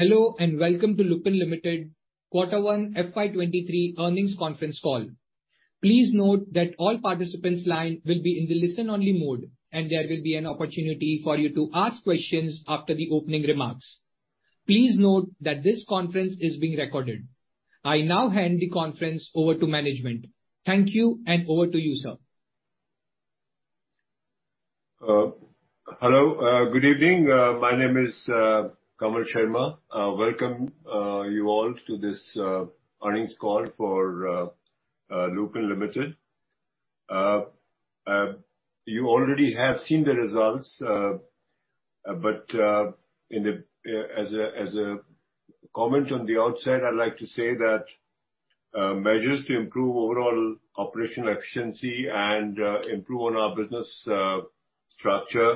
Hello, and welcome to Lupin Limited Quarter 1 FY 2023 Earnings Conference Call. Please note that all participants' lines will be in the listen-only mode, and there will be an opportunity for you to ask questions after the opening remarks. Please note that this conference is being recorded. I now hand the conference over to management. Thank you, and over to you, sir. Hello, good evening. My name is Kamal Sharma. Welcome, you all to this earnings call for Lupin Limited. You already have seen the results. As a comment on the outset, I'd like to say that measures to improve overall operational efficiency and improve on our business structure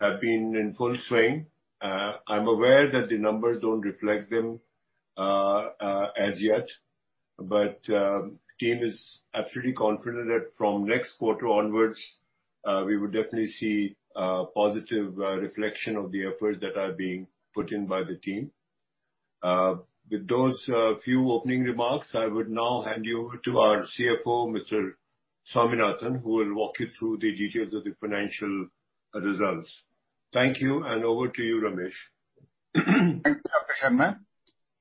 have been in full swing. I'm aware that the numbers don't reflect them as yet, but team is absolutely confident that from next quarter onwards, we will definitely see positive reflection of the efforts that are being put in by the team. With those few opening remarks, I would now hand you over to our CFO, Mr. Swaminathan, who will walk you through the details of the financial results. Thank you, and over to you, Ramesh. Thank you, Dr. Sharma.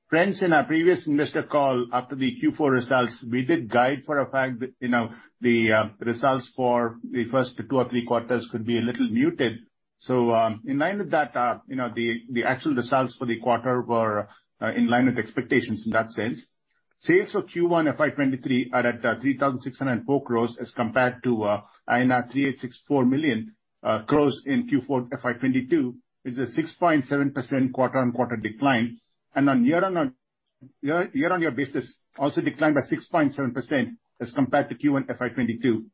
Friends, in our previous investor call after the Q4 results, we did guide for a fact that, you know, the results for the first two or three quarters could be a little muted. In line with that, you know, the actual results for the quarter were in line with expectations in that sense. Sales for Q1 FY 2023 are at 3,604 crores as compared to INR 3,864 crores in Q4 FY 2022. It's a 6.7% quarter-on-quarter decline. On a year-on-year basis, it also declined by 6.7% as compared to Q1 FY 2022.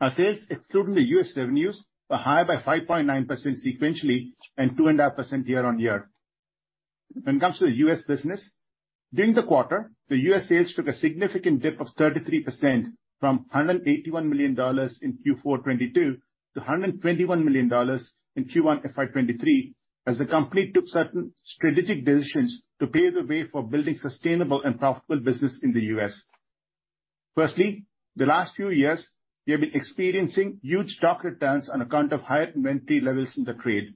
Our sales excluding the U.S. revenues were higher by 5.9% sequentially and 2.5% year-on-year. When it comes to the US business, during the quarter, the US sales took a significant dip of 33% from $181 million in Q4 2022 to $121 million in Q1 FY 2023 as the company took certain strategic decisions to pave the way for building sustainable and profitable business in the U.S. First, the last few years, we have been experiencing huge stock returns on account of higher inventory levels in the trade.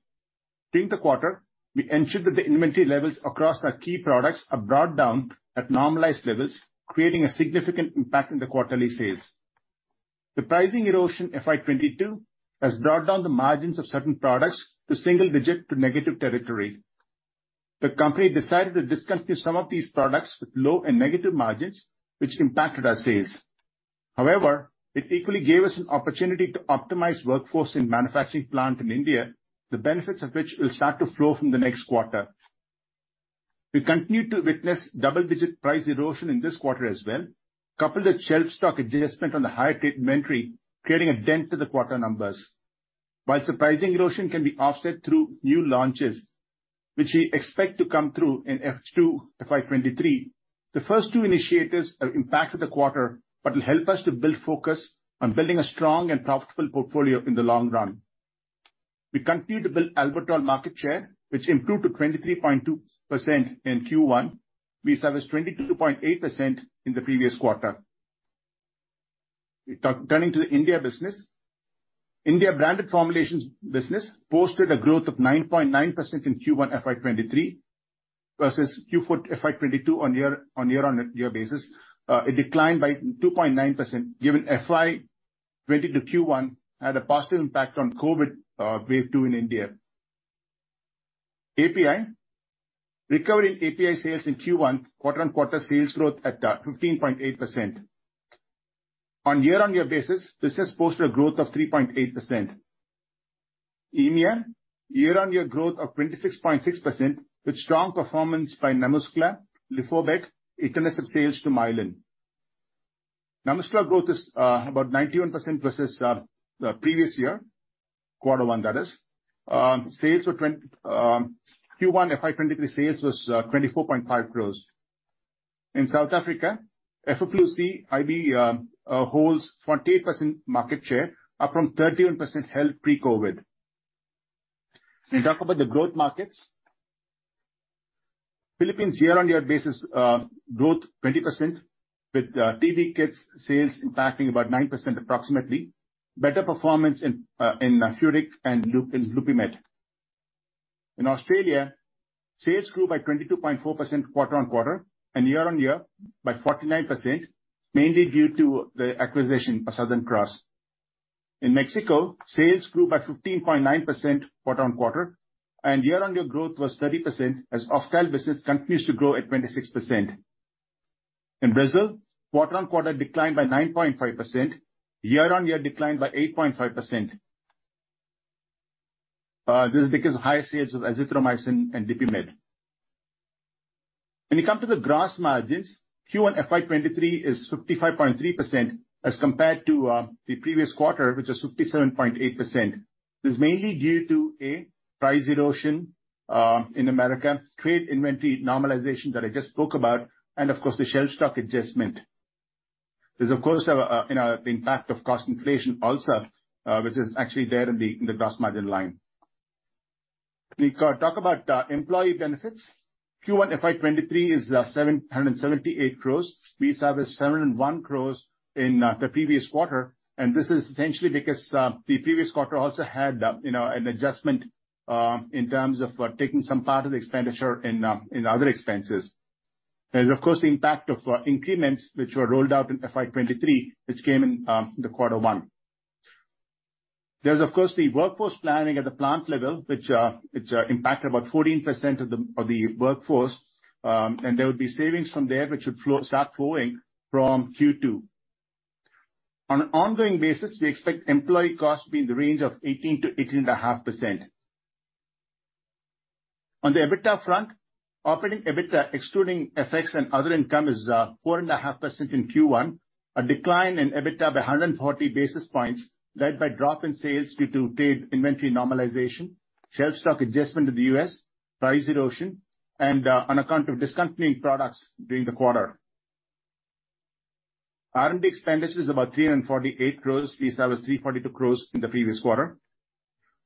During the quarter, we ensured that the inventory levels across our key products are brought down at normalized levels, creating a significant impact in the quarterly sales. The pricing erosion FY 2022 has brought down the margins of certain products to single digit to negative territory. The company decided to discontinue some of these products with low and negative margins, which impacted our sales. However, it equally gave us an opportunity to optimize workforce in manufacturing plant in India, the benefits of which will start to flow from the next quarter. We continue to witness double-digit price erosion in this quarter as well, coupled with shelf stock adjustment on the higher trade inventory, creating a dent to the quarter numbers. While surprising erosion can be offset through new launches, which we expect to come through in H2 FY 2023, the first two initiatives have impacted the quarter but will help us to build focus on building a strong and profitable portfolio in the long run. We continue to build Albuterol market share, which improved to 23.2% in Q1. We versus 22.8% in the previous quarter. Turning to the India business. India branded formulations business posted a growth of 9.9% in Q1 FY 2023 versus Q4 FY 2022 on year, on year-on-year basis. It declined by 2.9% given FY 2022 Q1 had a positive impact on COVID wave two in India. API. Recovery API sales in Q1 quarter-on-quarter sales growth at 15.8%. On year-on-year basis, this has posted a growth of 3.8%. EMEA, year-on-year growth of 26.6% with strong performance by NaMuscla, Lithobid, etanercept sales to Mylan. NaMuscla growth is about 91% versus the previous year, quarter one that is. Q1 FY 2023 sales was 24.5 crore. In South Africa, FFUC, IB holds 28% market share, up from 31% held pre-COVID. When we talk about the growth markets. Philippines year-over-year basis, growth 20% with TB kits sales impacting about 9% approximately. Better performance in Furic and Lupimeb. In Australia, sales grew by 22.4% quarter-over-quarter and year-over-year by 49%, mainly due to the acquisition of Southern Cross. In Mexico, sales grew by 15.9% quarter-over-quarter and year-over-year growth was 30% as wholesale business continues to grow at 26%. In Brazil, quarter-over-quarter declined by 9.5%, year-over-year declined by 8.5%. This is because of higher sales of Azithromycin and Dipyridamole. When you come to the gross margins, Q1 FY 2023 is 55.3% as compared to the previous quarter, which was 57.8%. This is mainly due to a price erosion in America, trade inventory normalization that I just spoke about, and of course the shelf stock adjustment. There's, of course, you know, impact of cost inflation also, which is actually there in the gross margin line. We talk about employee benefits. Q1 FY 2023 is 778 crore. We established 71 crore in the previous quarter, and this is essentially because the previous quarter also had you know, an adjustment in terms of taking some part of the expenditure in other expenses. There's, of course, the impact of increments, which were rolled out in FY 2023, which came in the quarter one. There's, of course, the workforce planning at the plant level, which impacted about 14% of the workforce. There will be savings from there which would start flowing from Q2. On an ongoing basis, we expect employee costs to be in the range of 18%-18.5%. On the EBITDA front, operating EBITDA, excluding FX and other income, is 4.5% in Q1. A decline in EBITDA of 140 basis points led by drop in sales due to delayed inventory normalization, shelf stock adjustment in the U.S., price erosion, and on account of discontinuing products during the quarter. R&D expenditure is about 348 crore. We established 342 crore in the previous quarter.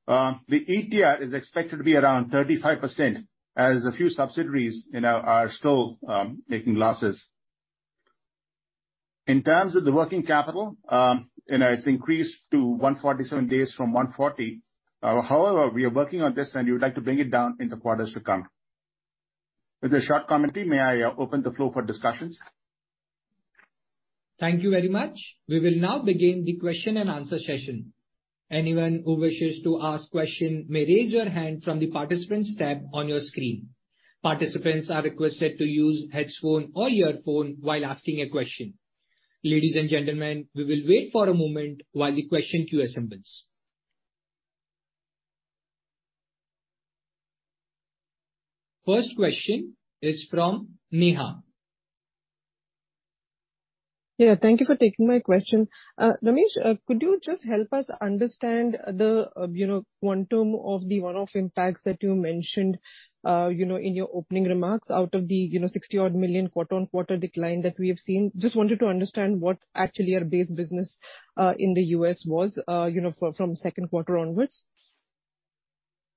The ETR is expected to be around 35% as a few subsidiaries, you know, are still making losses. In terms of the working capital, you know, it's increased to 147 days from 140. However, we are working on this, and we would like to bring it down in the quarters to come. With this short commentary, may I open the floor for discussions? Thank you very much. We will now begin the question and answer session. Anyone who wishes to ask question may raise your hand from the participants tab on your screen. Participants are requested to use headphone or earphone while asking a question. Ladies and gentlemen, we will wait for a moment while the question queue assembles. First question is from Neha. Yeah, thank you for taking my question. Ramesh, could you just help us understand the quantum of the one-off impacts that you mentioned in your opening remarks out of the $60-odd million quarter-over-quarter decline that we have seen? Just wanted to understand what actually your base business in the U.S. was from second quarter onwards.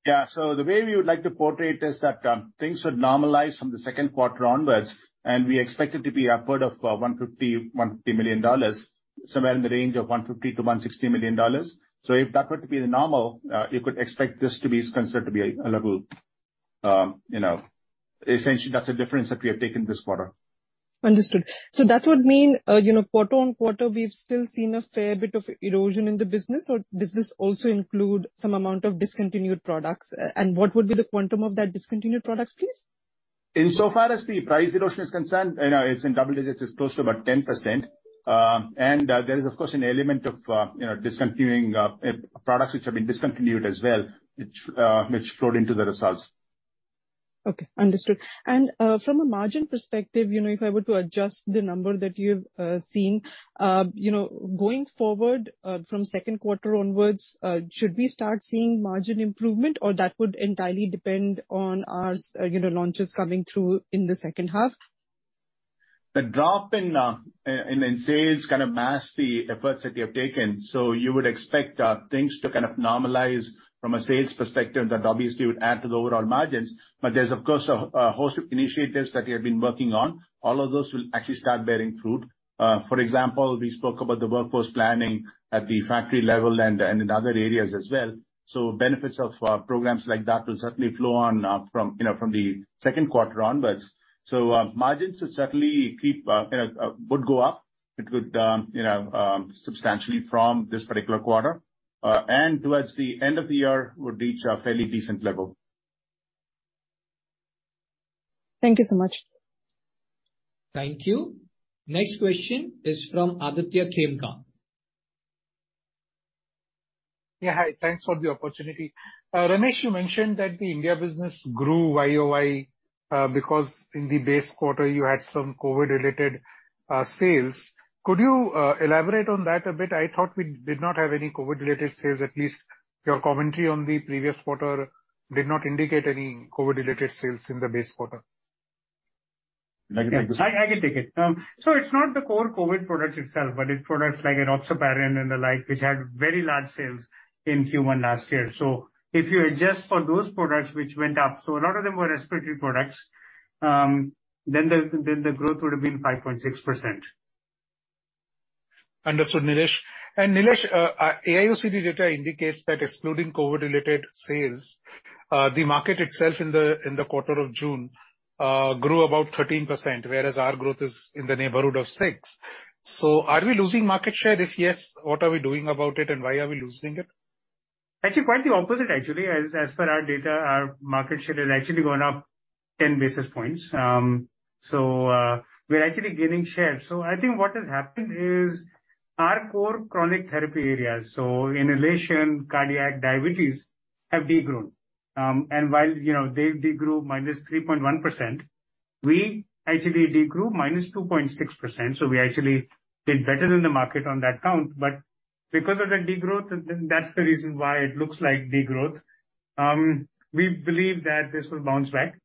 Yeah. The way we would like to portray it is that things should normalize from the second quarter onwards, and we expect it to be upward of $150 million, somewhere in the range of $150-$160 million. If that were to be the normal, you could expect this to be considered to be a level, you know. Essentially, that's the difference that we have taken this quarter. Understood. That would mean, you know, quarter-on-quarter, we've still seen a fair bit of erosion in the business or does this also include some amount of discontinued products? And what would be the quantum of that discontinued products please? Insofar as the price erosion is concerned, you know, it's in double digits. It's close to about 10%. There is, of course, an element of, you know, discontinuing products which have been discontinued as well, which flowed into the results. Okay. Understood. From a margin perspective, you know, if I were to adjust the number that you've seen, you know, going forward, from second quarter onwards, should we start seeing margin improvement or that would entirely depend on our you know, launches coming through in the second half? The drop in sales kind of masks the efforts that we have taken. You would expect things to kind of normalize from a sales perspective. That obviously would add to the overall margins. There's of course a host of initiatives that we have been working on. All of those will actually start bearing fruit. For example, we spoke about the workforce planning at the factory level and in other areas as well. Benefits of programs like that will certainly flow on from, you know, the second quarter onwards. Margins should certainly keep, you know, would go up. It could, you know, substantially from this particular quarter. Towards the end of the year would reach a fairly decent level. Thank you so much. Thank you, next question is from Aditya Khemka. Yeah, hi. Thanks for the opportunity. Ramesh, you mentioned that the India business grew YOY because in the base quarter you had some COVID-related sales. Could you elaborate on that a bit? I thought we did not have any COVID-related sales. At least your commentary on the previous quarter did not indicate any COVID-related sales in the base quarter. Would you like to take this one? Yeah. I can take it. It's not the core COVID products itself, but it's products like Rivaroxaban and the like, which had very large sales in Q1 last year. If you adjust for those products which went up, so a lot of them were respiratory products, then the growth would have been 5.6%. Understood, Nilesh. Nilesh, AIOCD data indicates that excluding COVID-related sales, the market itself in the quarter of June grew about 13%, whereas our growth is in the neighborhood of 6%. Are we losing market share? If yes, what are we doing about it, and why are we losing it? Actually, quite the opposite actually. As per our data, our market share has actually gone up 10 basis points. We're actually gaining share. I think what has happened is our core chronic therapy areas, so inhalation, cardiac, diabetes, have de-grown. While, you know, they've de-grown minus 3.1%, we actually de-grew minus 2.6%. We actually did better than the market on that count. Because of the de-growth, then that's the reason why it looks like de-growth. We believe that this will bounce back.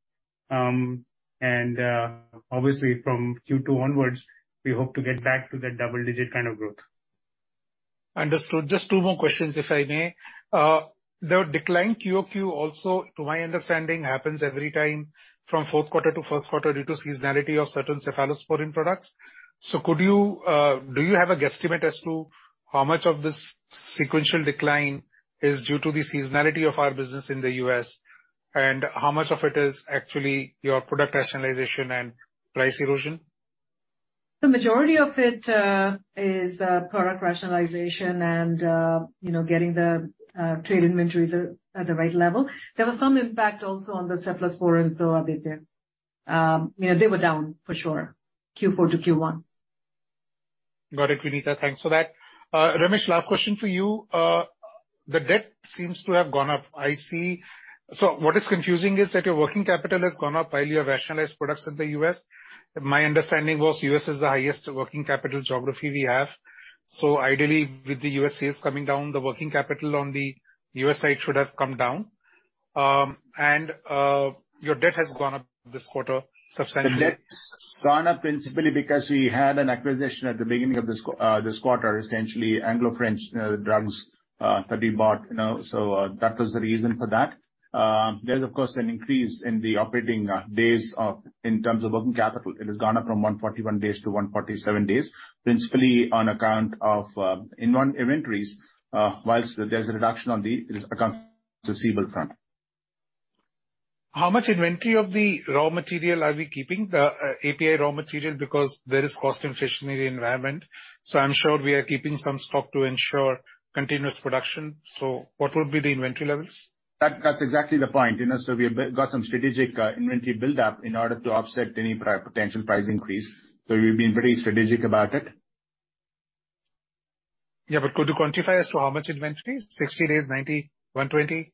Obviously from Q2 onwards, we hope to get back to that double-digit kind of growth. Understood. Just two more questions, if I may. The decline QoQ also, to my understanding, happens every time from fourth quarter to first quarter due to seasonality of certain cephalosporin products. Could you, do you have a guesstimate as to how much of this sequential decline is due to the seasonality of our business in the U.S, and how much of it is actually your product rationalization and price erosion? The majority of it is product rationalization and, you know, getting the trade inventories at the right level. There was some impact also on the cephalosporins, though, Aditya. You know, they were down for sure, Q4 to Q1. Got it, Vinita. Thanks for that. Ramesh, last question for you. The debt seems to have gone up, I see. What is confusing is that your working capital has gone up while you have rationalized products in the U.S. My understanding was U.S. is the highest working capital geography we have. Ideally, with the U.S. sales coming down, the working capital on the U.S. side should have come down. Your debt has gone up this quarter substantially. The debt's gone up principally because we had an acquisition at the beginning of this quarter, essentially Anglo-French Drugs & Industries that we bought, you know, so that was the reason for that. There's of course an increase in the operating days in terms of working capital. It has gone up from 141 days to 147 days, principally on account of inventories, while there's a reduction on the accounts receivable front. How much inventory of the raw material are we keeping? The API raw material, because there is cost inflationary environment, so I'm sure we are keeping some stock to ensure continuous production. So what would be the inventory levels? That's exactly the point, you know. We have got some strategic inventory build up in order to offset any potential price increase. We've been pretty strategic about it. Yeah, could you quantify as to how much inventories? 60 days, 90, 120?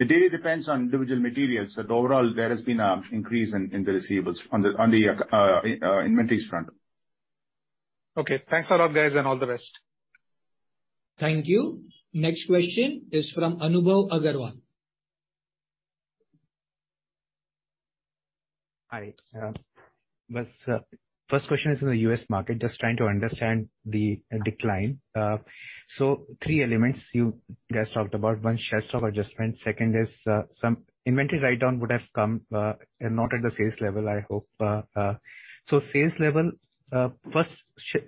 It really depends on individual materials, but overall, there has been an increase in the receivables, on the inventories front. Okay. Thanks a lot, guys, and all the best. Thank you. Next question is from Anubhav Aggarwal. Hi. First question is in the U.S market, just trying to understand the decline. So three elements you guys talked about. One, shelf stock adjustment. Second is, some inventory write-down would have come, and not at the sales level, I hope. So sales level, first,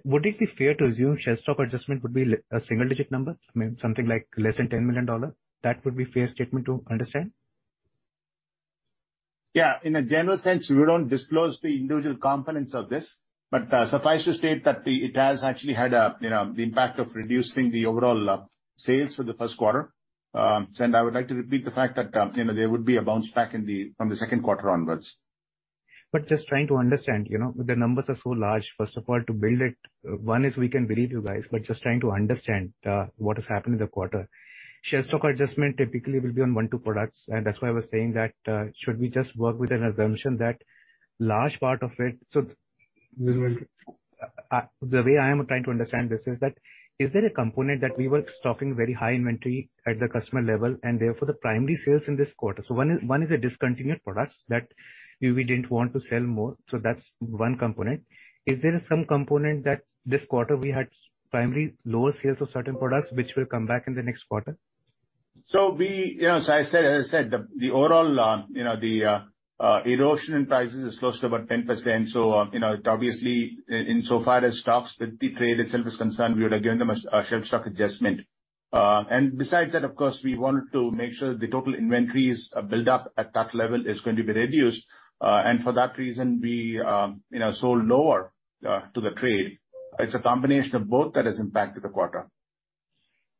would it be fair to assume shelf stock adjustment would be a single-digit number? I mean, something like less than $10 million. That would be fair statement to understand? Yeah. In a general sense, we don't disclose the individual components of this, but suffice to state that it has actually had a, you know, the impact of reducing the overall sales for the first quarter. I would like to repeat the fact that, you know, there would be a bounce back from the second quarter onwards. Just trying to understand, you know. The numbers are so large, first of all, to build it. One is we can believe you guys, just trying to understand what has happened in the quarter. Shelf stock adjustment typically will be on one, two products, and that's why I was saying that, should we just work with an assumption that large part of it. Mm-hmm. The way I am trying to understand this is that, is there a component that we were stocking very high inventory at the customer level and therefore the primary sales in this quarter? One is a discontinued products that we didn't want to sell more, so that's one component. Is there some component that this quarter we had primary lower sales of certain products which will come back in the next quarter? We, you know, as I said, the overall, you know, the erosion in prices is close to about 10%. You know, obviously insofar as stocks with the trade itself is concerned, we would have given them a shelf stock adjustment. Besides that, of course, we wanted to make sure the total inventories are built up at that level is going to be reduced. For that reason, we, you know, sold lower to the trade. It's a combination of both that has impacted the quarter.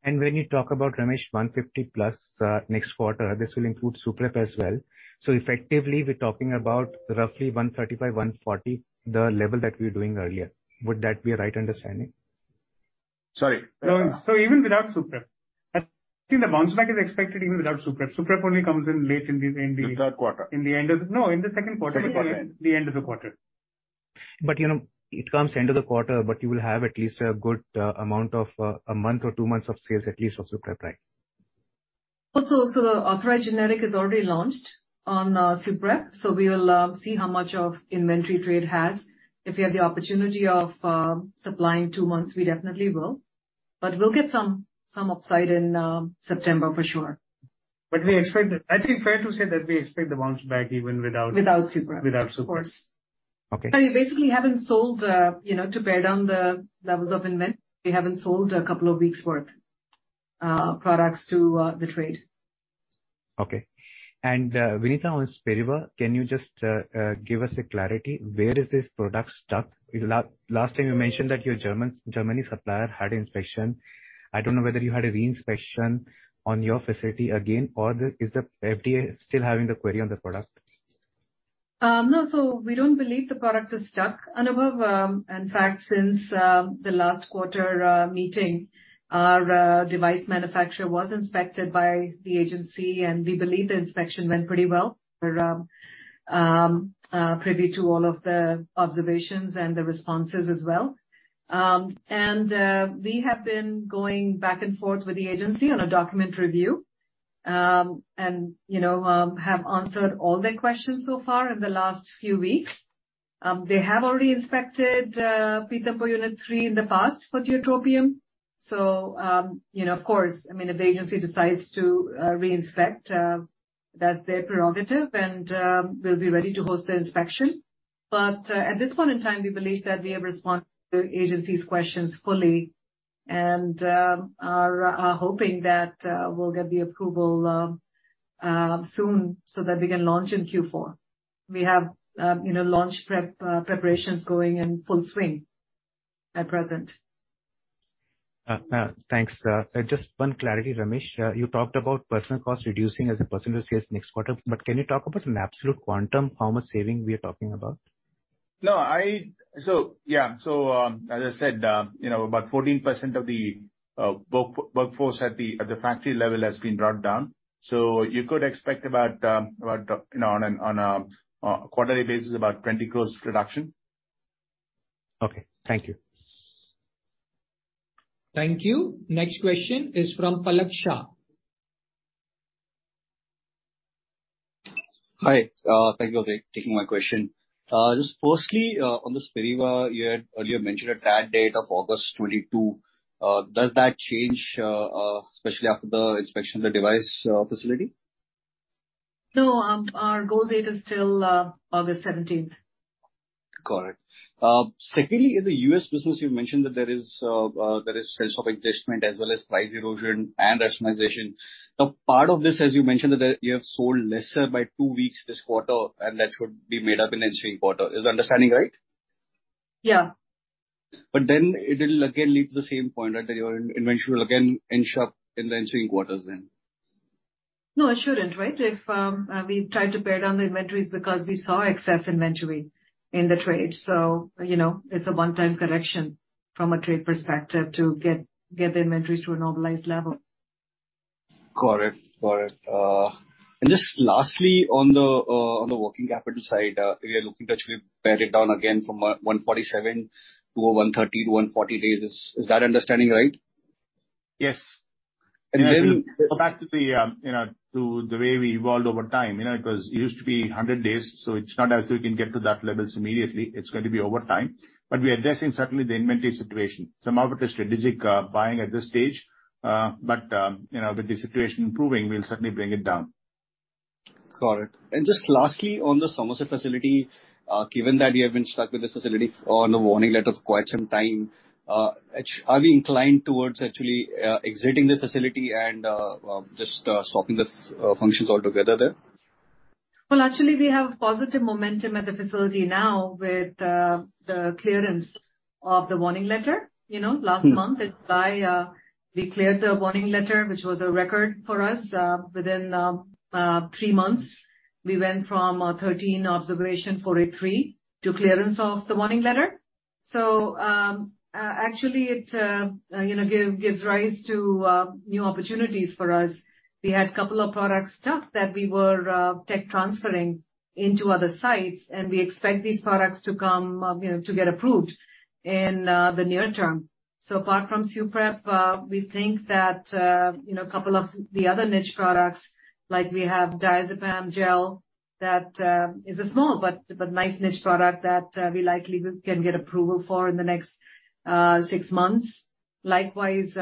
When you talk about Ramesh 150+, next quarter, this will include Suprep as well. Effectively we're talking about roughly 135-140, the level that we were doing earlier. Would that be a right understanding? Sorry. Even without Suprep, I think the bounce back is expected even without Suprep. Suprep only comes in late in the. The third quarter. In the second quarter. Second quarter. The end of the quarter. You know, it comes end of the quarter, but you will have at least a good amount of a month or two months of sales at least of Suprep, right? The authorized generic is already launched on Suprep, so we will see how much of inventory trade has. If we have the opportunity of supplying two months, we definitely will. We'll get some upside in September for sure. We expect. I think it's fair to say that we expect the bounce back even without. Without Suprep. Without Suprep. Of course. Okay. We basically haven't sold, you know, to pare down the levels of inventory. We haven't sold a couple of weeks' worth of products to the trade. Okay. Vinita, on Spiriva, can you just give us clarity, where is this product stuck? Last time you mentioned that your German supplier in Germany had inspection. I don't know whether you had a re-inspection on your facility again or is the FDA still having the query on the product? No. We don't believe the product is stuck, Anubhav. In fact, since the last quarter meeting, our device manufacturer was inspected by the agency, and we believe the inspection went pretty well. We're privy to all of the observations and the responses as well. We have been going back and forth with the agency on a document review, and you know, have answered all their questions so far in the last few weeks. They have already inspected Pithampur Unit 3 in the past for trospium. You know, of course, I mean, if the agency decides to re-inspect, that's their prerogative, and we'll be ready to host the inspection. At this point in time, we believe that we have responded to the agency's questions fully and are hoping that we'll get the approval soon so that we can launch in Q4. We have, you know, launch prep preparations going in full swing at present. Thanks. Just one clarity, Ramesh. You talked about personnel cost reducing as a percentage next quarter, but can you talk about an absolute quantum, how much saving we are talking about? As I said, you know, about 14% of the workforce at the factory level has been brought down. You could expect about, you know, on a quarterly basis, about 20 crore reduction. Okay. Thank you. Thank you. Next question is from Palak Shah. Hi. Thank you for taking my question. Just firstly, on the Spiriva, you had earlier mentioned a target date of August 2022. Does that change, especially after the inspection of the device, facility? No. Our goal date is still August 17th. Got it. Secondly, in the U.S. business, you've mentioned that there is shelf stock adjustment as well as price erosion and rationalization. Now, part of this, as you mentioned, that you have sold lesser by two weeks this quarter, and that should be made up in the ensuing quarter. Is the understanding right? Yeah. It'll again lead to the same point that your inventory will again inch up in the ensuing quarters then. No, it shouldn't, right. If we tried to pare down the inventories because we saw excess inventory in the trade. You know, it's a one-time correction from a trade perspective to get the inventories to a normalized level. Got it. Just lastly, on the working capital side, you're looking to actually pare it down again from 147 to 130 to 140 days. Is that understanding right? Yes. And then- Go back to the, you know, to the way we evolved over time. You know, it used to be 100 days, so it's not as if we can get to that levels immediately. It's going to be over time. We're addressing certainly the inventory situation. Some of it is strategic buying at this stage. You know, with the situation improving, we'll certainly bring it down. Got it. Just lastly, on the Somerset facility, given that you have been stuck with this facility on a warning letter for quite some time, are we inclined towards actually exiting this facility and just stopping this functions altogether there? Well, actually, we have positive momentum at the facility now with the clearance of the warning letter. You know, last month in July, we cleared the warning letter, which was a record for us. Within three months, we went from 13 observations for an OAI to clearance of the warning letter. Actually it gives rise to new opportunities for us. We had a couple of products stuck that we were tech transferring into other sites, and we expect these products to come to get approved in the near term. Apart from Suprep, we think that, you know, a couple of the other niche products, like we have Diazepam gel that is a small but nice niche product that we likely can get approval for in the next six months. Likewise,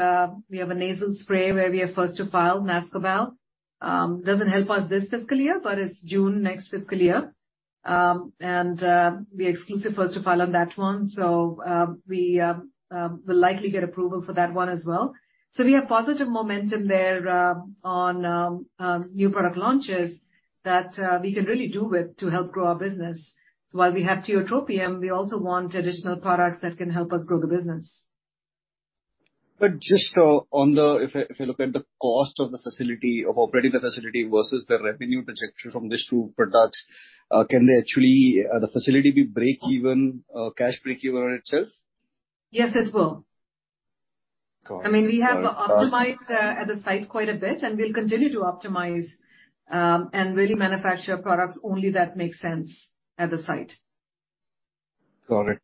we have a nasal spray where we are first to file Nascobal. Doesn't help us this fiscal year, but it's June next fiscal year. We exclusive first to file on that one. We will likely get approval for that one as well. We have positive momentum there on new product launches that we can really do well with to help grow our business. While we have tiotropium, we also want additional products that can help us grow the business. If you look at the cost of the facility of operating the facility versus the revenue projection from these two products, can they actually the facility be break-even cash break-even on itself? Yes, it will. Got it. I mean, we have optimized at the site quite a bit, and we'll continue to optimize and really manufacture products only that make sense at the site. Got it.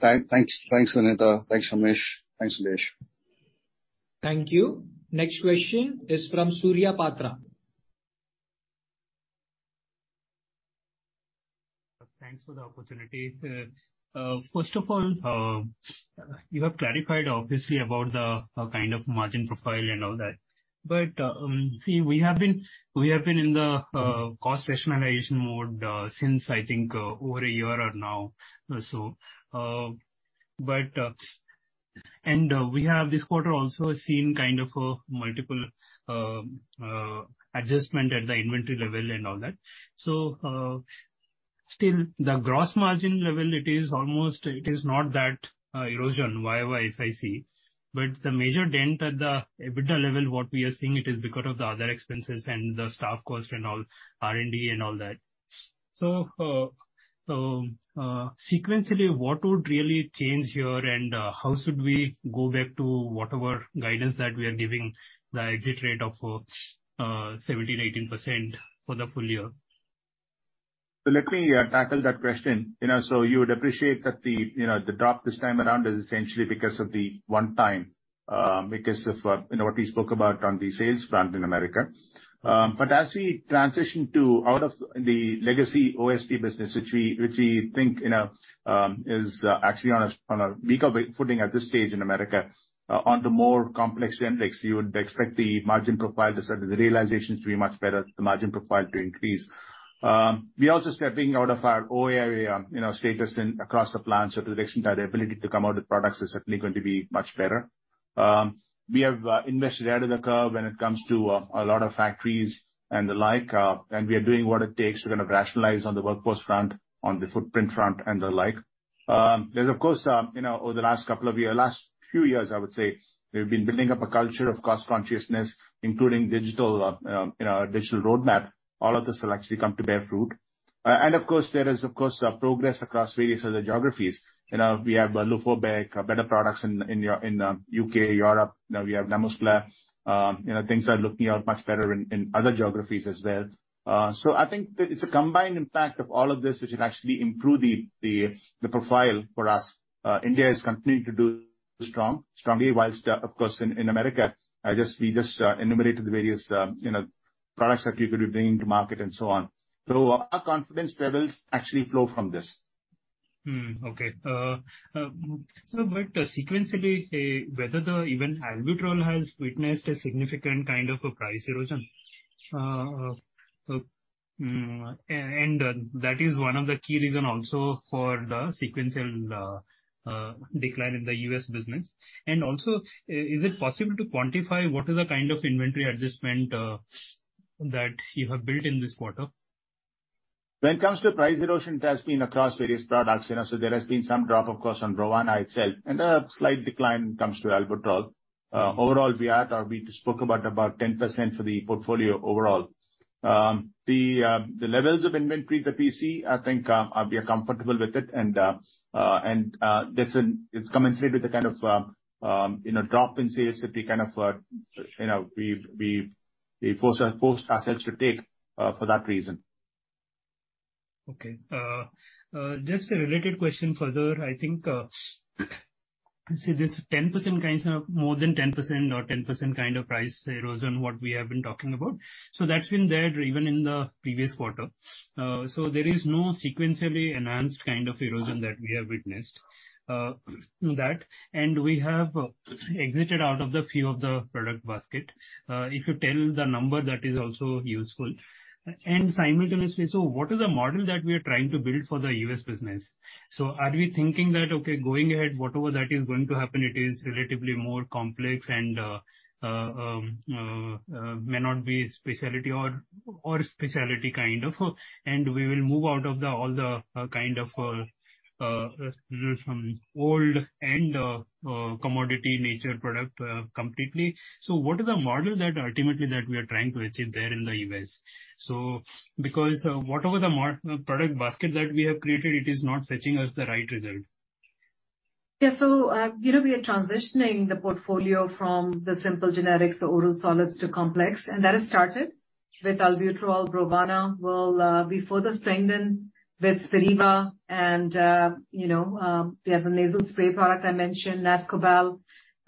Thanks. Thanks, Vinita. Thanks, Ramesh. Thanks, Suresh. Thank you, next question is from Surya Patra. Thanks for the opportunity. First of all, you have clarified obviously about the kind of margin profile and all that. See, we have been in the cost rationalization mode since I think over a year or now. We have this quarter also seen kind of a multiple adjustment at the inventory level and all that. Still the gross margin level, it is almost not that erosion year-over-year as I see. The major dent at the EBITDA level, what we are seeing it is because of the other expenses and the staff cost and all, R&D and all that. Sequentially, what would really change here and how should we go back to whatever guidance that we are giving the exit rate of 17-18% for the full year? Let me tackle that question. You know, you would appreciate that the, you know, the drop this time around is essentially because of the one time- Because of, you know, what we spoke about on the sales front in America. As we transition out of the legacy OSD business, which we think, you know, is actually on a weaker footing at this stage in America, onto more complex generics, you would expect the margin profile to start, the realizations to be much better, the margin profile to increase. We also stepping out of our OAI status across the plants. To the extent our ability to come out with products is certainly going to be much better. We have invested ahead of the curve when it comes to a lot of factories and the like, and we are doing what it takes. We're gonna rationalize on the workforce front, on the footprint front and the like. There's of course, you know, over the last few years I would say, we've been building up a culture of cost consciousness, including digital, you know, our digital roadmap. All of this will actually come to bear fruit. There is progress across various other geographies. You know, we have Luforbec, better products in U.K, Europe. You know, we have NaMuscla. You know, things are looking up much better in other geographies as well. I think that it's a combined impact of all of this which would actually improve the profile for us. India is continuing to do strongly, while of course in America, we just enumerated the various, you know, products that we could be bringing to market and so on. Our confidence levels actually flow from this. Sequentially, whether even Albuterol has witnessed a significant kind of a price erosion, and that is one of the key reason also for the sequential decline in the U.S. business. Is it possible to quantify what is the kind of inventory adjustment that you have built in this quarter? When it comes to price erosion, it has been across various products, you know. There has been some drop of course on Brovana itself and a slight decline when it comes to Albuterol. Overall we are at, or we spoke about 10% for the portfolio overall. The levels of inventory, the PC, I think we are comfortable with it and it's commensurate with the kind of you know drop in CSP kind of you know we've forced our assets to take for that reason. Okay. Just a related question further, I think, see this 10% kind of more than 10% or 10% kind of price erosion what we have been talking about. That's been there even in the previous quarter. There is no sequentially enhanced kind of erosion that we have witnessed. We have exited out of a few of the product basket. If you tell the number that is also useful. What is the model that we are trying to build for the U.S. business? Are we thinking that, okay, going ahead, whatever that is going to happen, it is relatively more complex and may not be specialty or specialty kind of, and we will move out of all the kind of old and commodity nature product completely. What is the model that ultimately that we are trying to achieve there in the U.S.? Because whatever the product basket that we have created, it is not fetching us the right result. Yeah. You know, we are transitioning the portfolio from the simple generics, the oral solids to complex, and that has started with Albuterol. Brovana will be further strengthened with Spiriva and, you know, we have a nasal spray product I mentioned, Nascobal.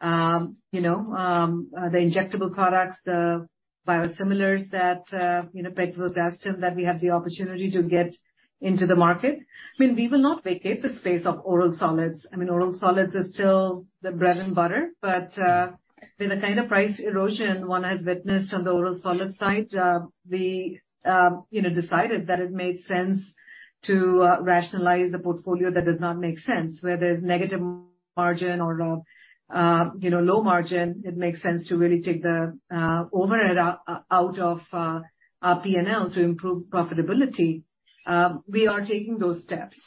You know, the injectable products, the biosimilars that, you know, pegfilgrastim that we have the opportunity to get into the market. I mean, we will not vacate the space of oral solids. I mean, oral solids are still the bread and butter. With the kind of price erosion one has witnessed on the oral solids side, we, you know, decided that it made sense to rationalize a portfolio that does not make sense. Where there's negative margin or, you know, low margin, it makes sense to really take the overhead out of our PNL to improve profitability. We are taking those steps.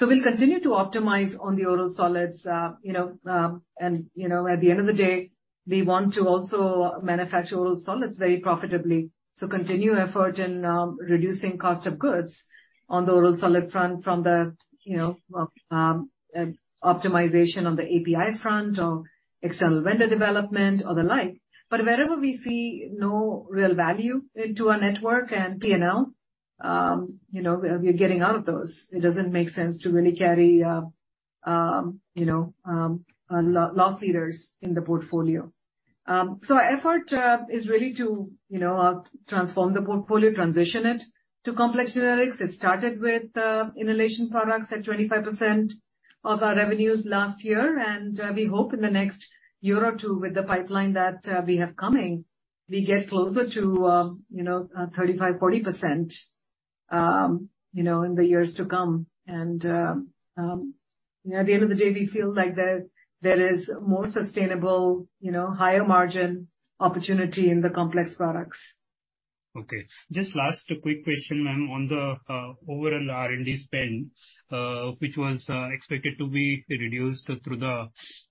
We'll continue to optimize on the oral solids. You know, at the end of the day, we want to also manufacture oral solids very profitably. Continue effort in reducing cost of goods on the oral solid front from the, you know, optimization on the API front or external vendor development or the like. Wherever we see no real value into our network and PNL, you know, we're getting out of those. It doesn't make sense to really carry, you know, loss leaders in the portfolio. Our effort is really to, you know, transform the portfolio, transition it to complex generics. It started with inhalation products at 25% of our revenues last year. We hope in the next year or two with the pipeline that we have coming, we get closer to, you know, 35-40%, you know, in the years to come. You know, at the end of the day, we feel like there is more sustainable, you know, higher margin opportunity in the complex products. Okay. Just last quick question, ma'am, on the overall R&D spend, which was expected to be reduced through the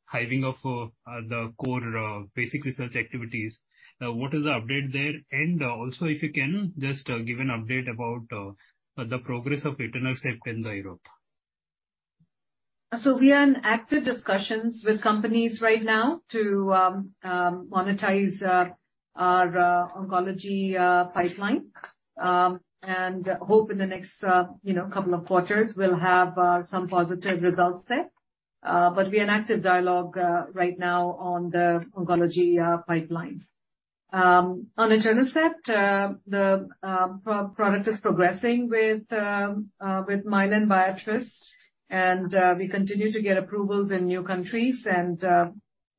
hiving of the core basic research activities. What is the update there? Also if you can just give an update about the progress of etanercept safety in Europe. We are in active discussions with companies right now to monetize our oncology pipeline. Hope in the next, you know, couple of quarters we'll have some positive results there. We're in active dialogue right now on the oncology pipeline. On etanercept, the product is progressing with Mylan, and we continue to get approvals in new countries and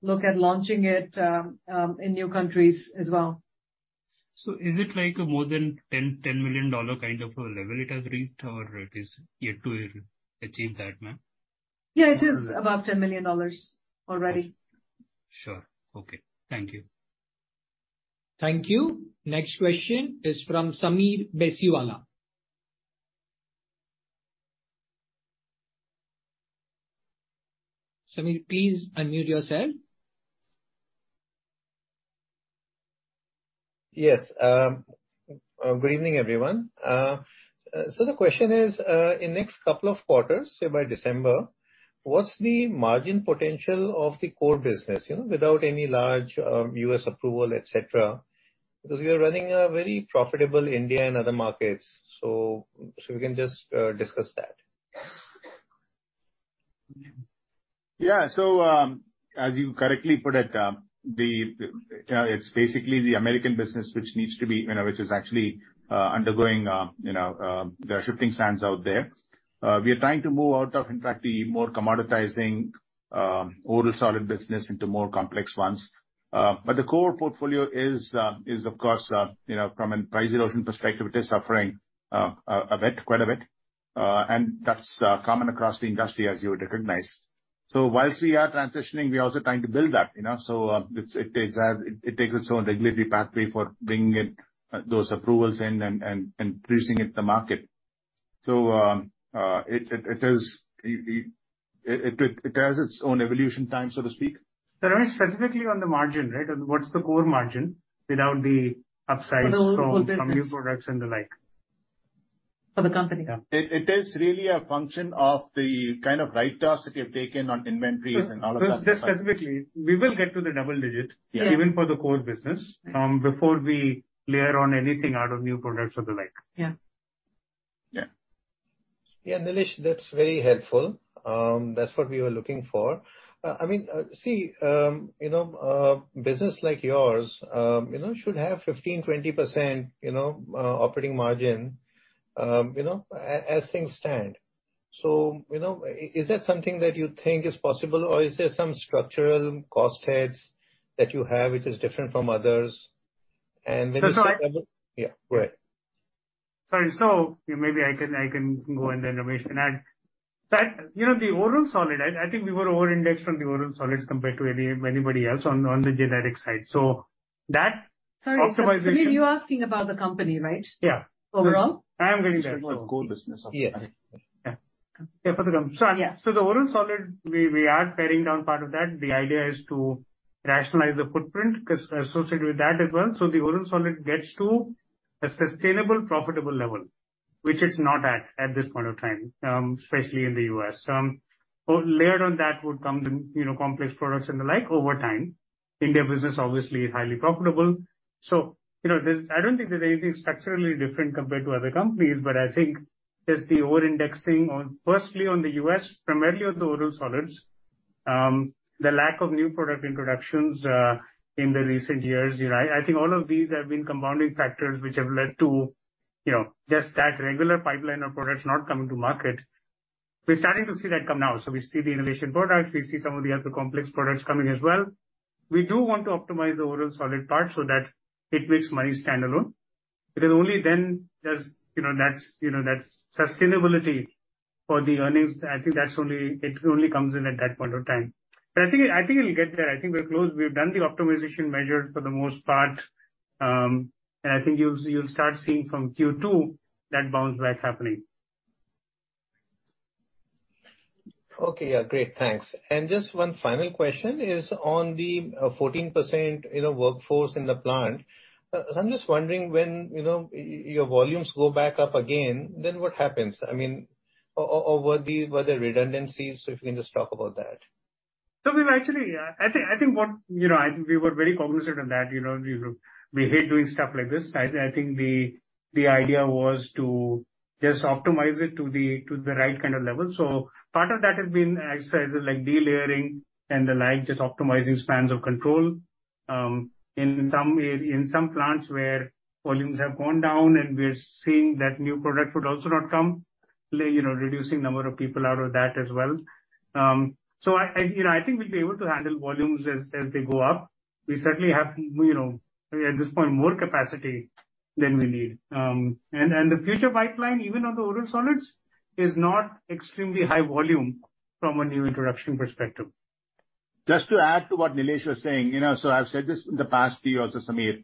look at launching it in new countries as well. Is it like more than $10 million kind of a level it has reached, or it is yet to achieve that, ma'am? Yeah, it is above $10 million already. Sure. Okay. Thank you. Thank you. Next question is from Sameer Baisiwala. Sameer, please unmute yourself. Yes. Good evening, everyone. The question is, in next couple of quarters, say by December, what's the margin potential of the core business, you know, without any large U.S. approval, et cetera? Because we are running a very profitable India and other markets, so if we can just discuss that. Yeah. As you correctly put it's basically the American business which needs to be, you know, which is actually undergoing, you know, there are shifting sands out there. We are trying to move out of, in fact, the more commoditizing oral solid business into more complex ones. The core portfolio is, of course, you know, from a price erosion perspective, it is suffering a bit, quite a bit. That's common across the industry as you would recognize. Whilst we are transitioning, we're also trying to build that, you know. It takes its own regulatory pathway for bringing in those approvals and introducing it to market. It has its own evolution time, so to speak. Sir, specifically on the margin, right, what's the core margin without the upsides from? For the whole business. from new products and the like? For the company? Yeah. It is really a function of the kind of write-downs that we have taken on inventories and all of that. Just specifically, we will get to the double digit. Yeah. Even for the core business, before we layer on anything out of new products or the like. Yeah. Yeah. Yeah, Nilesh, that's very helpful. That's what we were looking for. I mean, see, you know, business like yours, you know, should have 15%-20% operating margin, you know, as things stand. You know, is that something that you think is possible or is there some structural cost heads that you have which is different from others? Maybe That's why. Yeah, go ahead. Sorry. Maybe I can go and then Ramesh can add. You know, the oral solids, I think we were over-indexed on the oral solids compared to anybody else on the generic side. That optimization. Sorry, Sameer, you're asking about the company, right? Yeah. Overall? I am getting there. He's talking about core business. Yeah. Yeah. Yeah, the oral solid, we are paring down part of that. The idea is to rationalize the footprint associated with that as well, so the oral solid gets to a sustainable, profitable level, which it's not at this point of time, especially in the U.S. Layered on that would come the, you know, complex products and the like over time. India business obviously is highly profitable. You know, I don't think there's anything structurally different compared to other companies, but I think just the over-indexing on, firstly on the U.S., primarily on the oral solids, the lack of new product introductions in the recent years, you know. I think all of these have been compounding factors which have led to, you know, just that regular pipeline of products not coming to market. We're starting to see that come now. We see the innovation products. We see some of the other complex products coming as well. We do want to optimize the oral solid part so that it makes money standalone. Because only then does, you know, that's sustainability for the earnings. I think it only comes in at that point of time. I think it'll get there. I think we're close. We've done the optimization measures for the most part. I think you'll start seeing from Q2 that bounce back happening. Okay. Yeah. Great. Thanks. Just one final question is on the 14%, you know, workforce in the plant. I'm just wondering when, you know, your volumes go back up again, then what happens? I mean, or were there redundancies? If you can just talk about that. We've actually. I think we were very cognizant on that. You know, we hate doing stuff like this. I think the idea was to just optimize it to the right kind of level. Part of that has been exercises like delayering and the like, just optimizing spans of control. In some plants where volumes have gone down and we're seeing that new product would also not come, you know, reducing number of people out of that as well. I think we'll be able to handle volumes as they go up. We certainly have, you know, at this point, more capacity than we need. The future pipeline, even on the oral solids, is not extremely high volume from a new introduction perspective. Just to add to what Nilesh was saying. You know, I've said this in the past to you also, Sameer,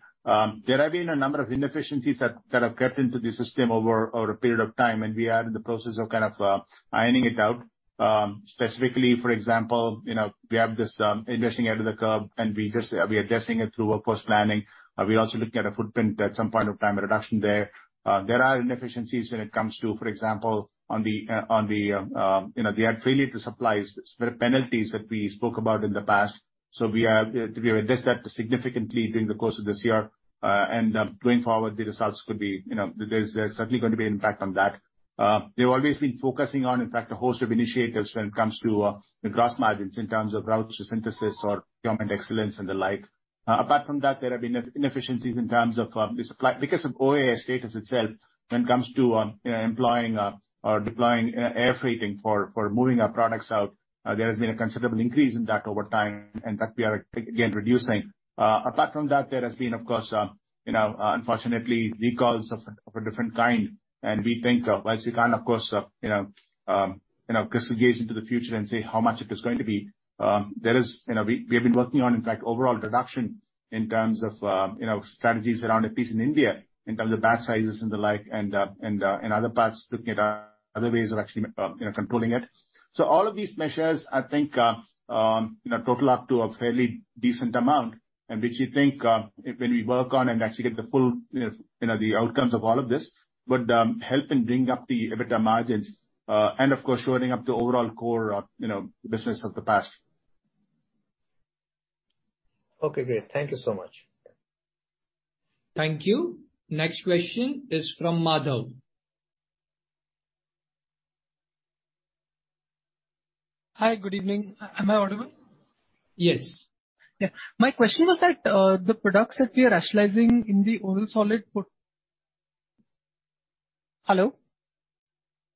there have been a number of inefficiencies that have crept into the system over a period of time, and we are in the process of ironing it out. Specifically, for example, you know, we have this inventory out of the curve, and we are addressing it through workforce planning. We're also looking at a footprint at some point of time, a reduction there. There are inefficiencies when it comes to, for example, on the delivery failure to supplies, the penalties that we spoke about in the past. We have addressed that significantly during the course of this year. Going forward, the results could be, you know, there's certainly going to be impact on that. They've always been focusing on, in fact, a host of initiatives when it comes to the gross margins in terms of route to synthesis or operational excellence and the like. Apart from that, there have been inefficiencies in terms of the supply. Because of OAI status itself when it comes to employing or deploying air freighting for moving our products out, there has been a considerable increase in that over time, and that we are again reducing. Apart from that, there has been, of course, you know, unfortunately, recalls of a different kind. We think of, while you can't, of course, you know, crystal gaze into the future and say how much it is going to be. There is you know, we have been working on, in fact, overall reduction in terms of, you know, strategies around APIs in India in terms of batch sizes and the like, and, in other parts, looking at other ways of actually, you know, controlling it. All of these measures, I think, you know, total up to a fairly decent amount, and which we think, when we work on and actually get the full, you know, the outcomes of all of this, would help in bring up the EBITDA margins, and of course, shoring up the overall core, you know, business of the past. Okay, great. Thank you so much. Thank you. Next question is from Madhav. Hi, good evening. Am I audible? Yes. Yeah. My question was that, the products that we are rationalizing in the oral solids portfolio. Hello?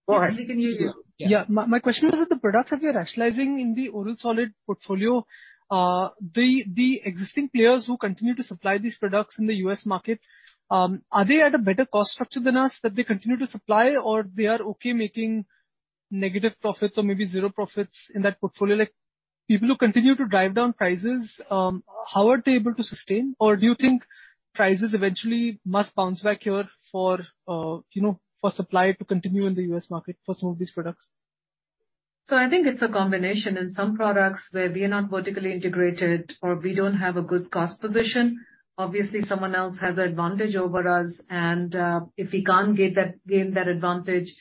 Go ahead. Can you hear me? Yeah. Yeah. My question was that the products that we are rationalizing in the oral solid portfolio, the existing players who continue to supply these products in the US market, are they at a better cost structure than us that they continue to supply or they are okay making negative profits or maybe zero profits in that portfolio? Like, people who continue to drive down prices, how are they able to sustain? Or do you think prices eventually must bounce back here for, you know, for supply to continue in the US market for some of these products? I think it's a combination. In some products where we are not vertically integrated or we don't have a good cost position, obviously someone else has the advantage over us, and if we can't gain that advantage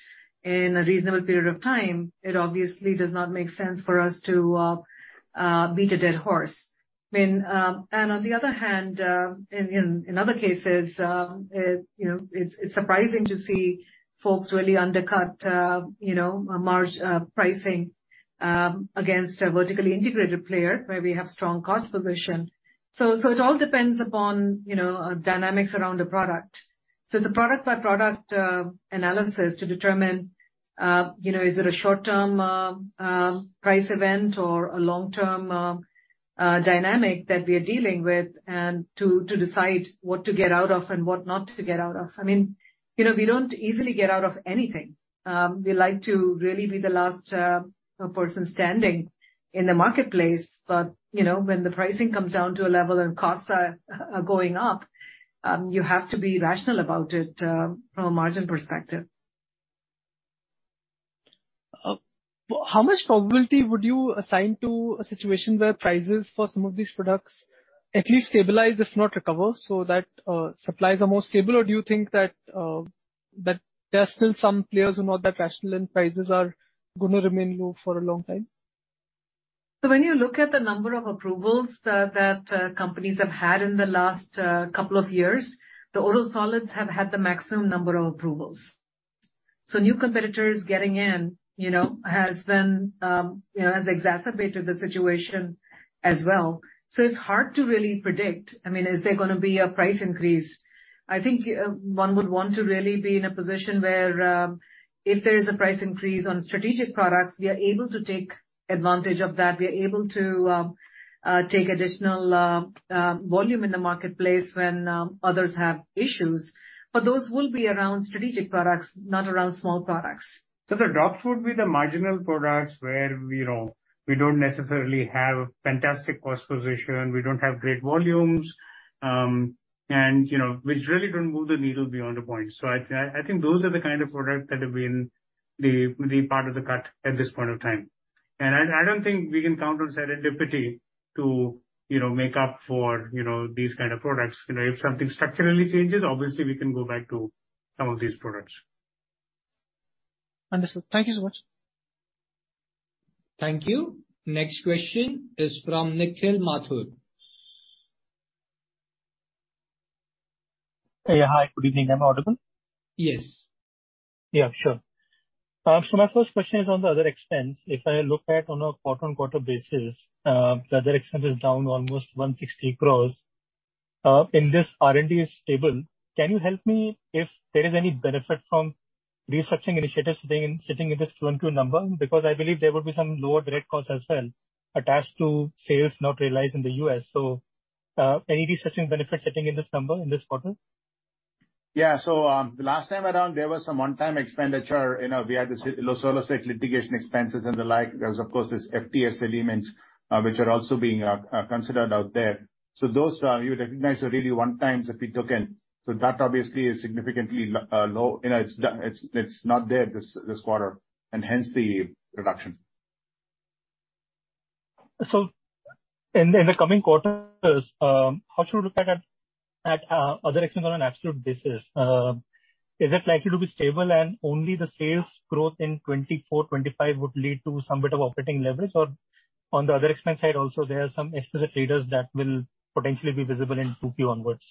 in a reasonable period of time, it obviously does not make sense for us to beat a dead horse. I mean, and on the other hand, in other cases, you know, it's surprising to see folks really undercut, you know, our pricing against a vertically integrated player where we have strong cost position. It all depends upon, you know, dynamics around the product. It's a product by product analysis to determine, you know, is it a short-term price event or a long-term dynamic that we are dealing with, and to decide what to get out of and what not to get out of. I mean, you know, we don't easily get out of anything. We like to really be the last person standing in the marketplace. You know, when the pricing comes down to a level and costs are going up, you have to be rational about it from a margin perspective. How much probability would you assign to a situation where prices for some of these products at least stabilize, if not recover, so that supplies are more stable? Or do you think that there are still some players who are not that rational and prices are gonna remain low for a long time? When you look at the number of approvals that companies have had in the last couple of years, the oral solids have had the maximum number of approvals. New competitors getting in, you know, has been, you know, has exacerbated the situation as well. It's hard to really predict. I mean, is there gonna be a price increase? I think one would want to really be in a position where if there is a price increase on strategic products, we are able to take advantage of that. We are able to take additional volume in the marketplace when others have issues. But those will be around strategic products, not around small products. The drops would be the marginal products where we don't necessarily have fantastic cost position, we don't have great volumes, and, you know, which really don't move the needle beyond a point. I think those are the kind of products that have been the part of the cut at this point of time. I don't think we can count on serendipity to, you know, make up for, you know, these kind of products. You know, if something structurally changes, obviously we can go back to some of these products. Understood. Thank you so much. Thank you. Next question is from Nikhil Mathur. Yeah. Hi, good evening. Am I audible? Yes. Yeah, sure. My first question is on the other expense. If I look at on a quarter-over-quarter basis, the other expense is down almost 160 crore. And this R&D is stable. Can you help me if there is any benefit from research initiatives sitting in this Q-on-Q number? Because I believe there will be some lower direct costs as well attached to sales not realized in the U.S. Any research benefit sitting in this number in this quarter? Yeah, the last time around, there was some one-time expenditure. You know, we had the Solosec litigation expenses and the like. There was, of course, these FTS elements, which are also being considered out there. Those, you would recognize, are really one-times that we took in, so that obviously is significantly low. You know, it's done. It's not there this quarter, and hence the reduction. In the coming quarters, how should we look at other expense on an absolute basis? Is it likely to be stable and only the sales growth in 2024, 2025 would lead to some bit of operating leverage? On the other expense side also there are some explicit levers that will potentially be visible in 2Q onwards?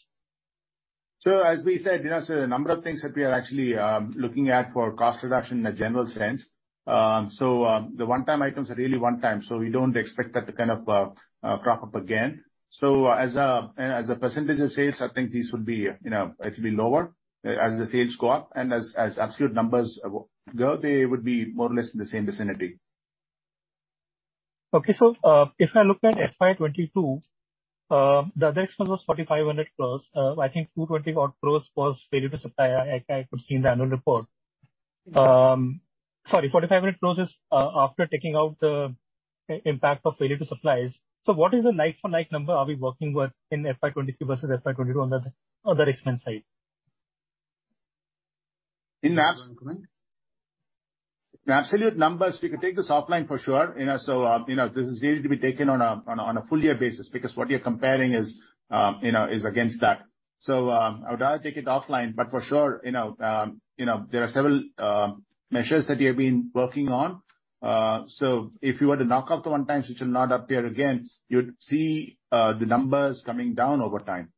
As we said, you know, the number of things that we are actually looking at for cost reduction in a general sense. The one-time items are really one time, so we don't expect that to kind of crop up again. As a percentage of sales, I think these would be, you know, it'll be lower as the sales go up. As absolute numbers go, they would be more or less in the same vicinity. If I look at FY 2022, the expense was 4,500 crores. I think 220-odd crores was failure to supply. I could see in the annual report. 4,500 crores is after taking out the impact of failure to supply. What is the like-for-like number are we working with in FY 2022 versus FY 2021 on the expense side? In absolute- Do you want to comment? In absolute numbers, we could take this offline for sure. You know, this is really to be taken on a full year basis because what you're comparing is, you know, is against that. I would rather take it offline, but for sure, you know, there are several measures that we have been working on. If you were to knock out the one times which will not appear again, you would see the numbers coming down over time.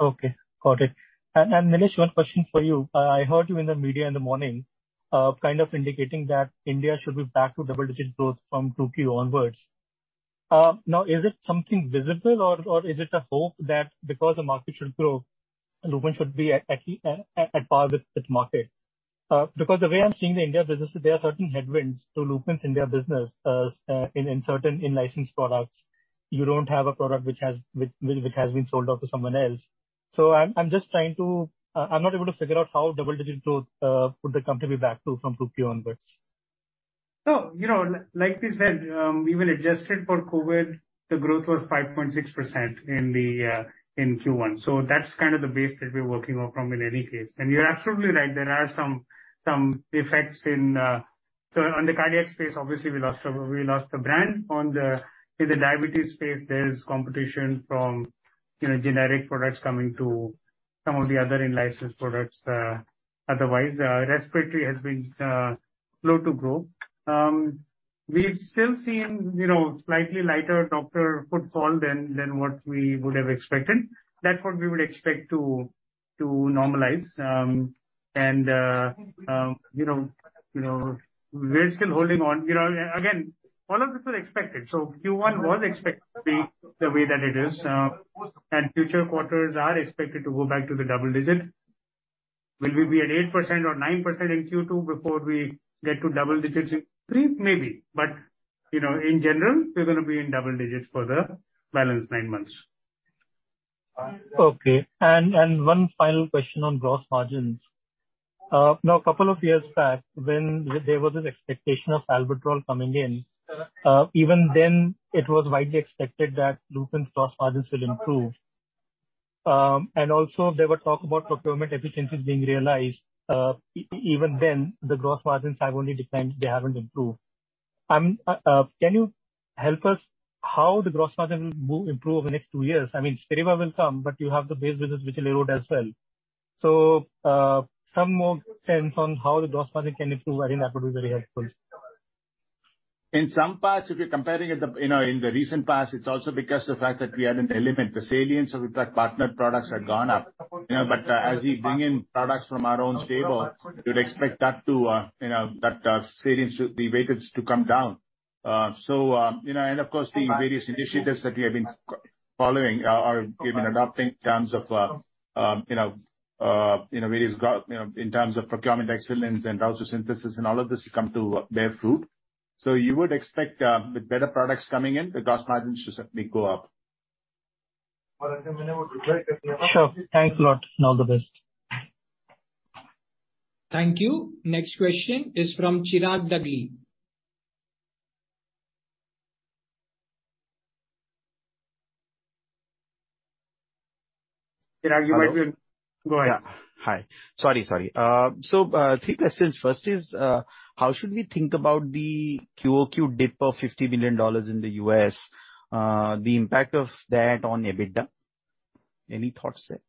Okay. Got it. Nilesh, one question for you. I heard you in the media in the morning, kind of indicating that India should be back to double-digit growth from 2Q onwards. Now, is it something visible or is it a hope that because the market should grow, Lupin should be on par with that market? Because the way I'm seeing the India business is there are certain headwinds to Lupin's India business in certain in-licensed products. You don't have a product which has been sold off to someone else. I'm just trying to. I'm not able to figure out how double-digit growth would the company be back to from 2Q onwards. No, you know, like we said, even adjusted for COVID, the growth was 5.6% in Q1. That's kind of the base that we're working on from in any case. You're absolutely right, there are some effects in. On the cardiac space, obviously we lost a brand. In the diabetes space, there's competition from, you know, generic products coming to some of the other in-licensed products, otherwise. Respiratory has been slow to grow. We've still seen, you know, slightly lighter doctor footfall than what we would have expected. That's what we would expect to normalize. You know, we're still holding on. You know, again, all of this was expected. Q1 was expected to be the way that it is. Future quarters are expected to go back to the double digit. Will we be at 8% or 9% in Q2 before we get to double digits in three? Maybe. You know, in general, we're gonna be in double digits for the balance nine months. Okay. One final question on gross margins. Now a couple of years back when there was this expectation of Albuterol coming in, even then it was widely expected that Lupin's gross margins will improve. And also there were talk about procurement efficiencies being realized. Even then, the gross margins have only declined, they haven't improved. Can you help us how the gross margin will improve over the next two years? I mean, Spiriva will come, but you have the base business which will erode as well. Some more sense on how the gross margin can improve, I think that would be very helpful. In some parts, if you're comparing at the you know, in the recent past, it's also because of the fact that we had an element, the salience of the partner products are gone up. You know, but as we bring in products from our own stable, you'd expect that to you know, salience, the weightage to come down. You know, and of course the various initiatives that we have been following we've been adopting you know, in terms of procurement excellence and outsourcing thesis, and all of this to come to bear fruit. You would expect, with better products coming in, the gross margins to certainly go up. Sure. Thanks a lot, and all the best. Thank you. Next question is from Chirag Dagli. Chirag, you might be on mute. Go ahead. Yeah. Hi. Sorry. Three questions. First is, how should we think about the QOQ dip of $50 million in the U.S, the impact of that on EBITDA? Any thoughts there?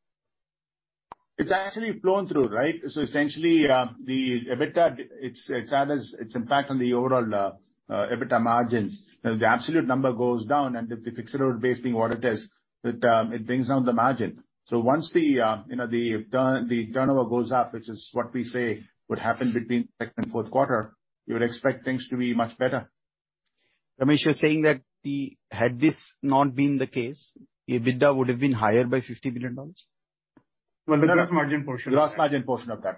It's actually flowed through, right? Essentially, the EBITDA, it's its impact on the overall EBITDA margins. You know, the absolute number goes down, and the fixed cost base being what it is, it brings down the margin. Once you know, the turnover goes up, which is what we say would happen between second and fourth quarter, you would expect things to be much better. Ramesh, you're saying that. Had this not been the case, EBITDA would have been higher by $50 million? Well, the gross margin portion of that. Gross margin portion of that.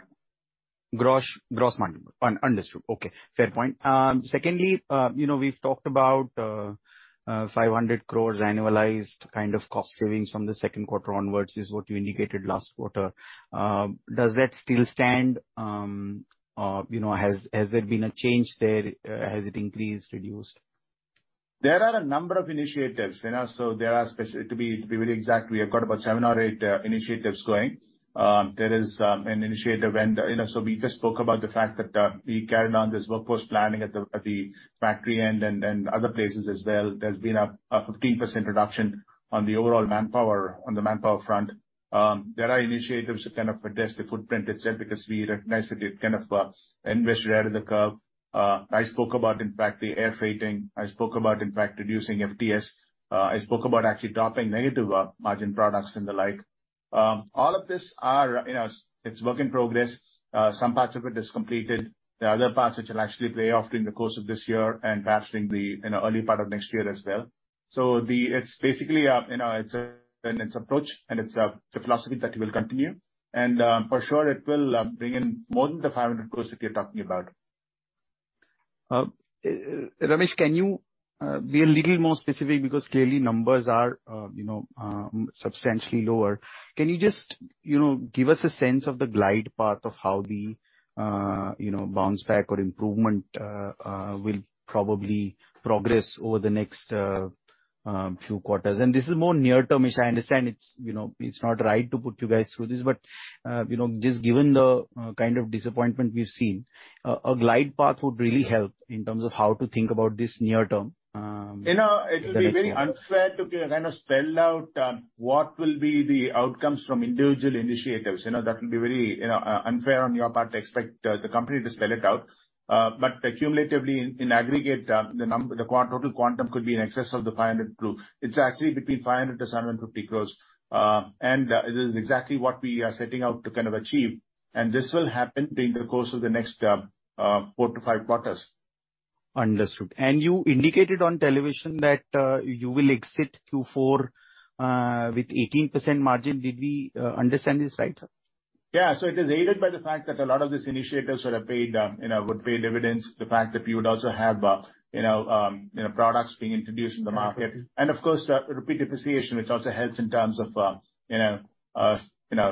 Gross margin. Understood. Okay. Fair point. Secondly, you know, we've talked about 500 crore annualized kind of cost savings from the second quarter onwards is what you indicated last quarter. Does that still stand? You know, has there been a change there? Has it increased, reduced? There are a number of initiatives, you know. To be really exact, we have got about seven or eight initiatives going. There is an initiative. You know, so we just spoke about the fact that we carried on this workforce planning at the factory end and other places as well. There's been a 15% reduction on the overall manpower, on the manpower front. There are initiatives to kind of reduce the footprint itself, because we recognize that it kind of invested out of the curve. I spoke about, in fact, the air freighting. I spoke about, in fact, reducing FTS. I spoke about actually dropping negative margin products and the like. All of this are, you know, it's work in progress. Some parts of it is completed. The other parts, which will actually play off during the course of this year and perhaps in the early part of next year as well. It's basically, you know, it's a balanced approach and it's a philosophy that we will continue. For sure, it will bring in more than 500 crore that you're talking about. Ramesh, can you be a little more specific because clearly numbers are, you know, substantially lower. Can you just, you know, give us a sense of the glide path of how the, you know, bounce back or improvement will probably progress over the next few quarters? This is more near-term issue. I understand it's, you know, it's not right to put you guys through this, but, you know, just given the kind of disappointment we've seen, a glide path would really help in terms of how to think about this near term in the next quarter. You know, it will be very unfair to kind of spell out what will be the outcomes from individual initiatives. You know, that will be very, you know, unfair on your part to expect the company to spell it out. But cumulatively in aggregate, the total quantum could be in excess of 500 crore. It's actually between 500-750 crore. And it is exactly what we are setting out to kind of achieve. This will happen during the course of the next four-five quarters. Understood. You indicated on television that you will exit Q4 with 18% margin. Did we understand this right? Yeah. It is aided by the fact that a lot of these initiatives would have paid, you know, would pay dividends. The fact that we would also have, you know, products being introduced in the market. Of course, repeat depreciation, which also helps in terms of, you know,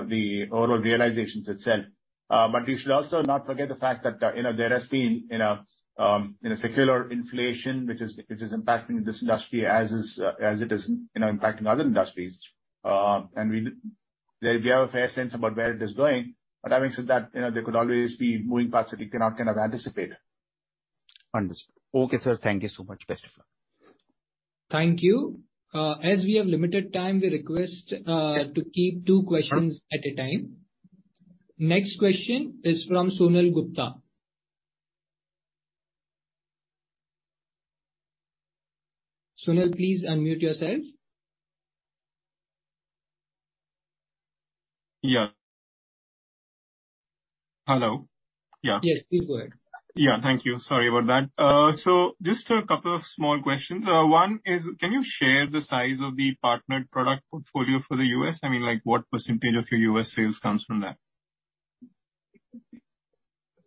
the overall realizations itself. You should also not forget the fact that, you know, there has been, you know, secular inflation, which is impacting this industry as it is, you know, impacting other industries. We have a fair sense about where it is going. Having said that, you know, there could always be moving parts that you cannot kind of anticipate. Understood. Okay, sir. Thank you so much. Best wishes. Thank you. As we have limited time, we request to keep two questions at a time. Next question is from Sunil Gupta. Sunil, please unmute yourself. Yeah. Hello? Yeah. Yes, please go ahead. Yeah. Thank you. Sorry about that. Just a couple of small questions. One is can you share the size of the partnered product portfolio for the U.S? I mean, like, what percentage of your U.S sales comes from that?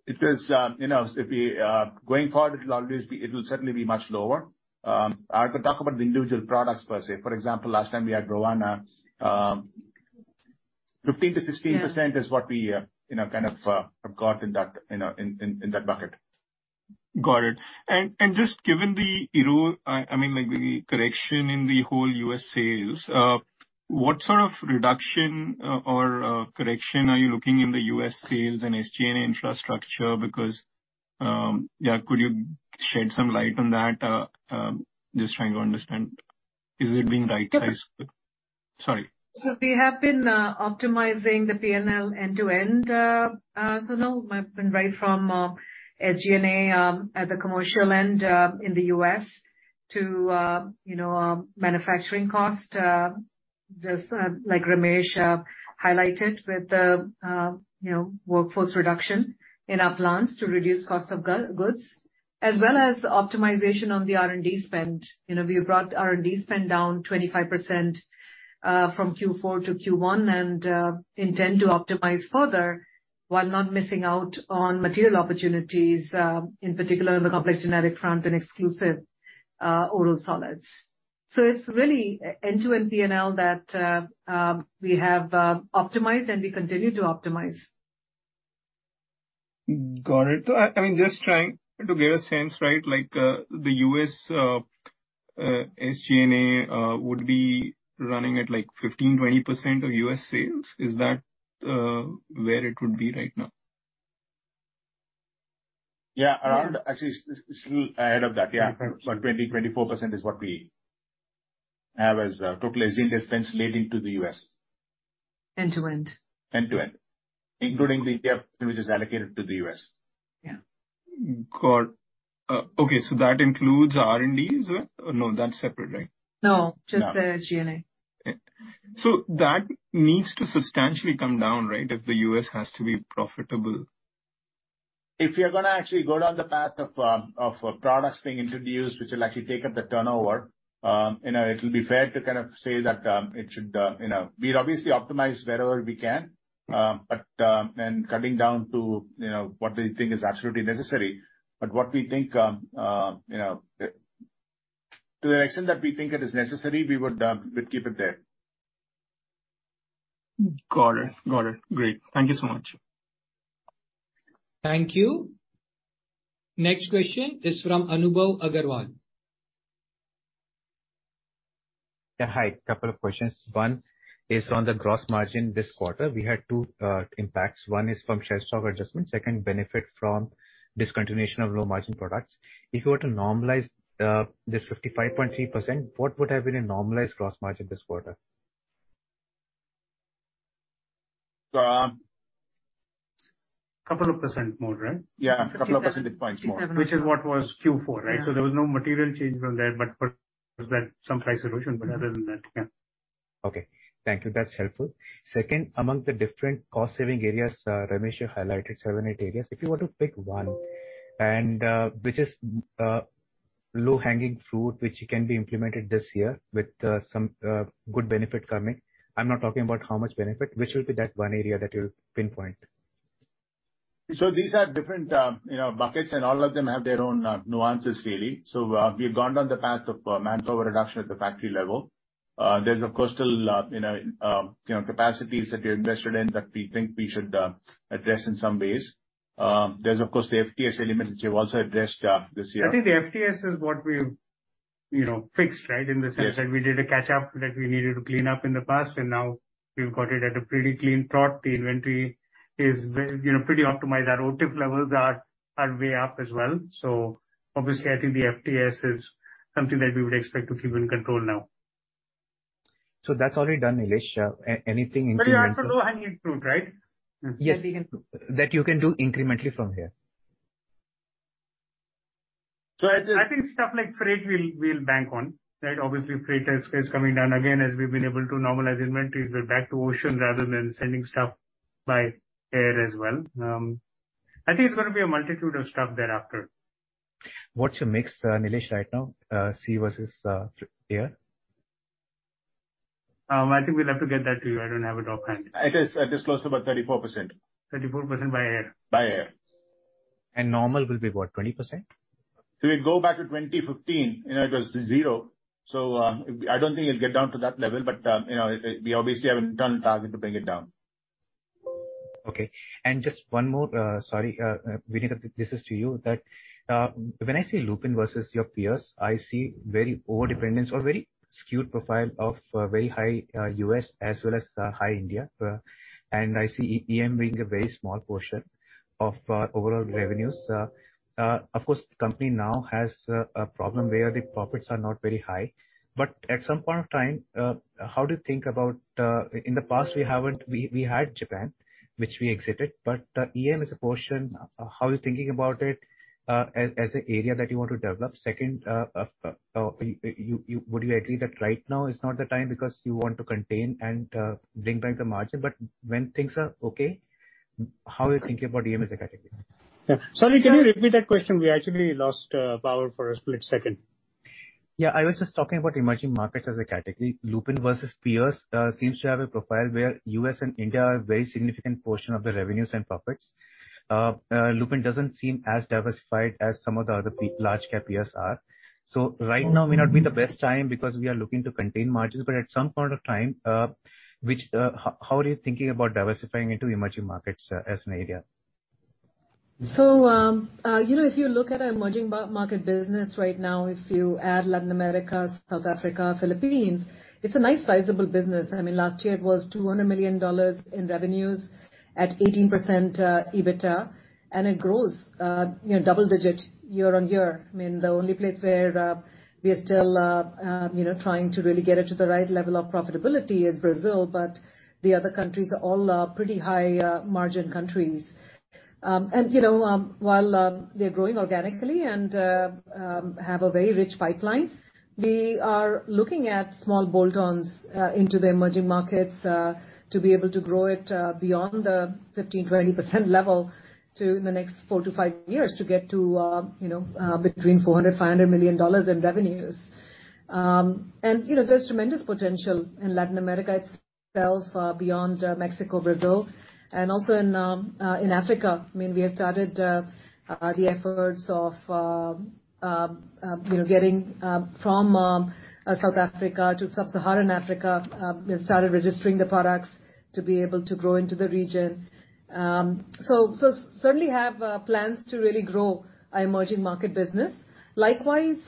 It is, you know, it'd be going forward. It'll always be, it'll certainly be much lower. I could talk about the individual products, per se. For example, last time we had Brovana, 15%-16% is what we, you know, kind of, have got in that, you know, in that bucket. Got it. Just given the erosion, I mean, like, the correction in the whole U.S. sales, what sort of reduction or correction are you looking in the U.S. sales and SG&A infrastructure? Because, yeah, could you shed some light on that? Just trying to understand. Is it being right-sized? Sure. Sorry. We have been optimizing the PNL end-to-end, Sunil, right from SG&A at the commercial end in the U.S to, you know, manufacturing cost, just like Ramesh highlighted with the, you know, workforce reduction in our plants to reduce cost of goods. As well as optimization on the R&D spend. You know, we have brought R&D spend down 25% from Q4 to Q1 and intend to optimize further while not missing out on material opportunities in particular in the complex generics front and exclusive oral solids. It's really end-to-end PNL that we have optimized and we continue to optimize. Got it. I mean, just trying to get a sense, right, like, the U.S SG&A would be running at, like, 15%-20% of U.S. sales. Is that where it would be right now? Yeah. Around, actually slightly ahead of that. Yeah. About 24% is what we have as total SG&A spends relating to the U.S. End-to-end. End-to-end, including the gap which is allocated to the U.S. Yeah. Okay. That includes R&D as well? No, that's separate, right? No, just the SG&A. That needs to substantially come down, right, if the U.S has to be profitable? If you're gonna actually go down the path of products being introduced, which will actually take up the turnover, you know, it'll be fair to kind of say that it should, you know, we'd obviously optimize wherever we can, but and cutting down to, you know, what we think is absolutely necessary. What we think, you know, to the extent that we think it is necessary, we would keep it there. Got it. Great. Thank you so much. Thank you. Next question is from Anubhav Aggarwal. Yeah, hi. Couple of questions. One is on the gross margin this quarter. We had two, impacts. One is from shelf stock adjustments, second benefit from discontinuation of low margin products. If you were to normalize, this 55.3%, what would have been a normalized gross margin this quarter? Couple of % more, right? Yeah, couple of percentage points more. Which is what was Q4, right? Yeah. There was no material change from there, but for some price solution, but other than that, yeah. Okay. Thank you. That's helpful. Second, among the different cost saving areas, Ramesh, you highlighted seven, eight areas. If you were to pick one and which is low-hanging fruit, which can be implemented this year with some good benefit coming, I'm not talking about how much benefit, which will be that one area that you'll pinpoint? These are different, you know, buckets, and all of them have their own, nuances really. We've gone down the path of manpower reduction at the factory level. There's of course still, you know, you know, capacities that we're invested in that we think we should address in some ways. There's of course the FTS element which we've also addressed, this year. I think the FTS is what we've, you know, fixed, right? Yes. In the sense that we did a catch up that we needed to clean up in the past, and now we've got it at a pretty clean trot. The inventory is very, you know, pretty optimized. Our OTIF levels are way up as well. Obviously, I think the FTS is something that we would expect to keep in control now. That's already done, Nilesh. Anything incrementally- You asked for low-hanging fruit, right? Yes. That we can do. That you can do incrementally from here. So I just- I think stuff like freight we'll bank on, right? Obviously freight is coming down again as we've been able to normalize inventories. We're back to ocean rather than sending stuff by air as well. I think it's gonna be a multitude of stuff thereafter. What's your mix, Nilesh right now, sea versus air? I think we'll have to get that to you. I don't have it offhand. I think it's close to about 34%. 34% by air. By air. Normal will be what? 20%. If we go back to 2015, you know, it was zero. I don't think it'll get down to that level, but, you know, we obviously have a debt target to bring it down. Okay. Just one more, sorry, Vinita, this is to you. When I say Lupin versus your peers, I see very overdependence or very skewed profile of very high U.S as well as high India. Of course, the company now has a problem where the profits are not very high. At some point of time, how do you think about in the past we haven't. We had Japan, which we exited. EM is a portion. How are you thinking about it as an area that you want to develop? Second, would you agree that right now is not the time because you want to contain and bring back the margin? When things are okay, how are you thinking about EM as a category? Yeah. Sorry, can you repeat that question? We actually lost power for a split second. Yeah. I was just talking about emerging markets as a category. Lupin versus peers seems to have a profile where U.S and India are a very significant portion of the revenues and profits. Lupin doesn't seem as diversified as some of the other large cap peers are. Right now may not be the best time because we are looking to contain margins. At some point of time, how are you thinking about diversifying into emerging markets as an area? you know, if you look at our emerging market business right now, if you add Latin America, South Africa, Philippines, it's a nice sizable business. I mean, last year it was $200 million in revenues at 18% EBITDA, and it grows, you know, double-digit year-on-year. I mean, the only place where we are still, you know, trying to really get it to the right level of profitability is Brazil, but the other countries are all pretty high margin countries. You know, while they're growing organically and have a very rich pipeline, we are looking at small bolt-ons into the emerging markets to be able to grow it beyond the 15%-20% level to the next four-five years to get to, you know, between $400-$500 million in revenues. You know, there's tremendous potential in Latin America itself, beyond Mexico, Brazil, and also in Africa. I mean, we have started the efforts of, you know, getting from South Africa to Sub-Saharan Africa. We have started registering the products to be able to grow into the region. Certainly have plans to really grow our emerging market business. Likewise,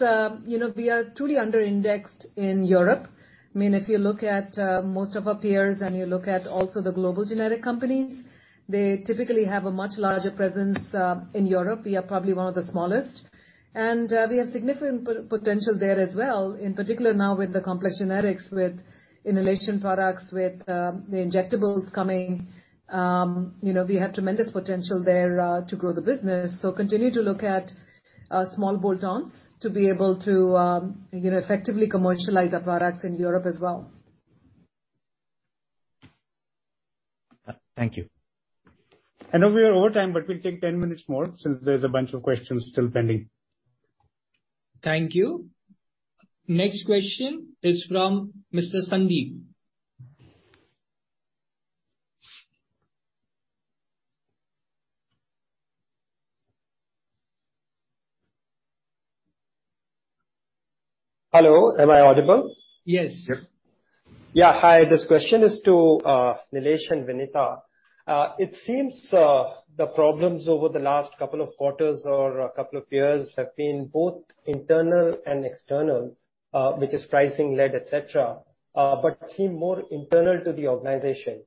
you know, we are truly under-indexed in Europe. I mean, if you look at most of our peers and you look at also the global generic companies, they typically have a much larger presence in Europe. We are probably one of the smallest. We have significant potential there as well, in particular now with the complex generics, with inhalation products, with the injectables coming. You know, we have tremendous potential there to grow the business. Continue to look at small bolt-ons to be able to, you know, effectively commercialize the products in Europe as well. Thank you. I know we are over time, but we'll take 10 minutes more since there's a bunch of questions still pending. Thank you. Next question is from Mr. Sandeep. Hello, am I audible? Yes. Yes. Yeah, hi. This question is to Nilesh and Vinita. It seems the problems over the last couple of quarters or couple of years have been both internal and external, which is pricing led, et cetera, but seem more internal to the organization.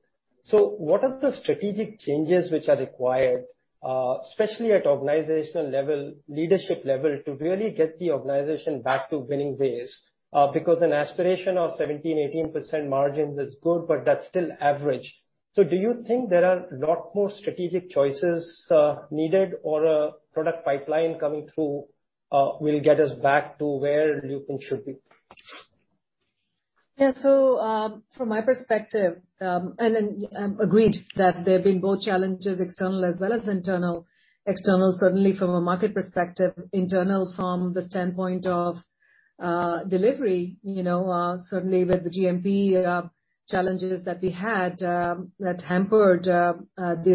What are the strategic changes which are required, especially at organizational level, leadership level, to really get the organization back to winning ways? Because an aspiration of 17%-18% margins is good, but that's still average. Do you think there are a lot more strategic choices needed or a product pipeline coming through? Will get us back to where Lupin should be. From my perspective, agreed that there have been both challenges, external as well as internal. External, certainly from a market perspective, internal from the standpoint of delivery, you know, certainly with the GMP challenges that we had that hampered the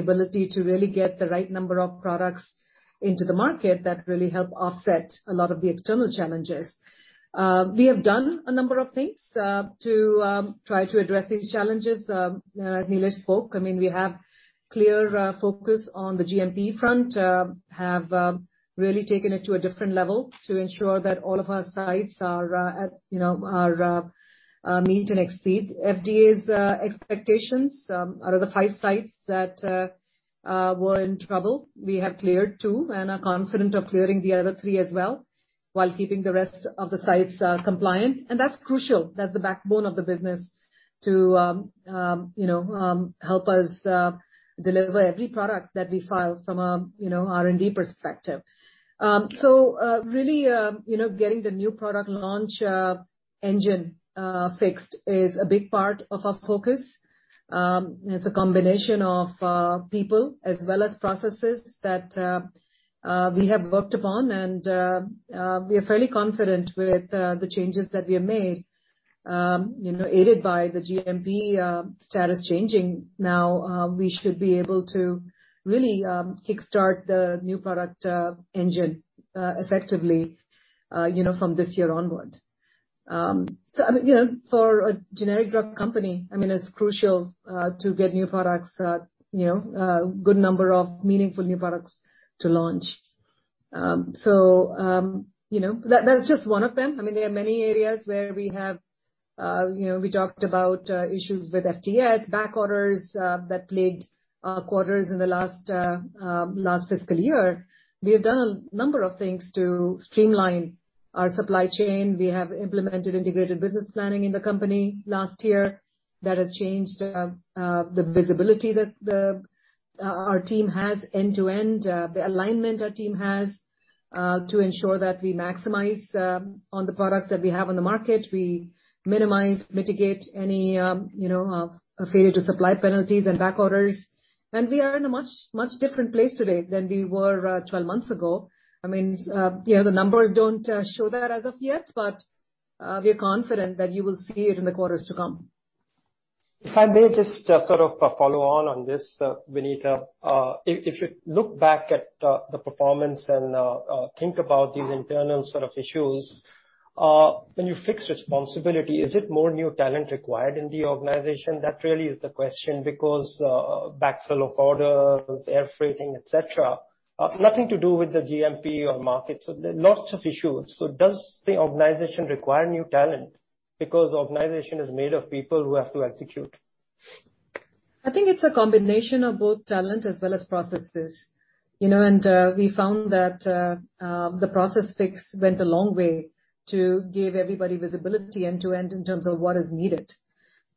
ability to really get the right number of products into the market that really help offset a lot of the external challenges. We have done a number of things to try to address these challenges. Nilesh spoke, I mean, we have clear focus on the GMP front. Have really taken it to a different level to ensure that all of our sites are at, you know, meet and exceed FDA's expectations. Out of the five sites that were in trouble, we have cleared two and are confident of clearing the other three as well, while keeping the rest of the sites compliant. That's crucial, that's the backbone of the business to, you know, help us deliver every product that we file from a, you know, R&D perspective. Really, you know, getting the new product launch engine fixed is a big part of our focus. It's a combination of people as well as processes that we have worked upon. We are fairly confident with the changes that we have made, you know, aided by the GMP status changing now, we should be able to really kickstart the new product engine effectively, you know, from this year onward. I mean, you know, for a generic drug company, I mean, it's crucial to get new products, you know, a good number of meaningful new products to launch. You know, that's just one of them. I mean, there are many areas where we have, you know, we talked about issues with FTS, back orders that plagued quarters in the last fiscal year. We have done a number of things to streamline our supply chain. We have implemented integrated business planning in the company last year. That has changed the visibility that our team has end to end. The alignment our team has to ensure that we maximize on the products that we have on the market. We minimize, mitigate any failure to supply penalties and back orders. We are in a much different place today than we were 12 months ago. I mean, you know, the numbers don't show that as of yet, but we are confident that you will see it in the quarters to come. If I may just sort of follow on this, Vinita. If you look back at the performance and think about these internal sort of issues, when you fix responsibility, is it more new talent required in the organization? That really is the question, because backfill of orders, air freighting, et cetera, nothing to do with the GMP or market. There are lots of issues. Does the organization require new talent? Because organization is made of people who have to execute. I think it's a combination of both talent as well as processes. You know, we found that the process fix went a long way to give everybody visibility end to end in terms of what is needed.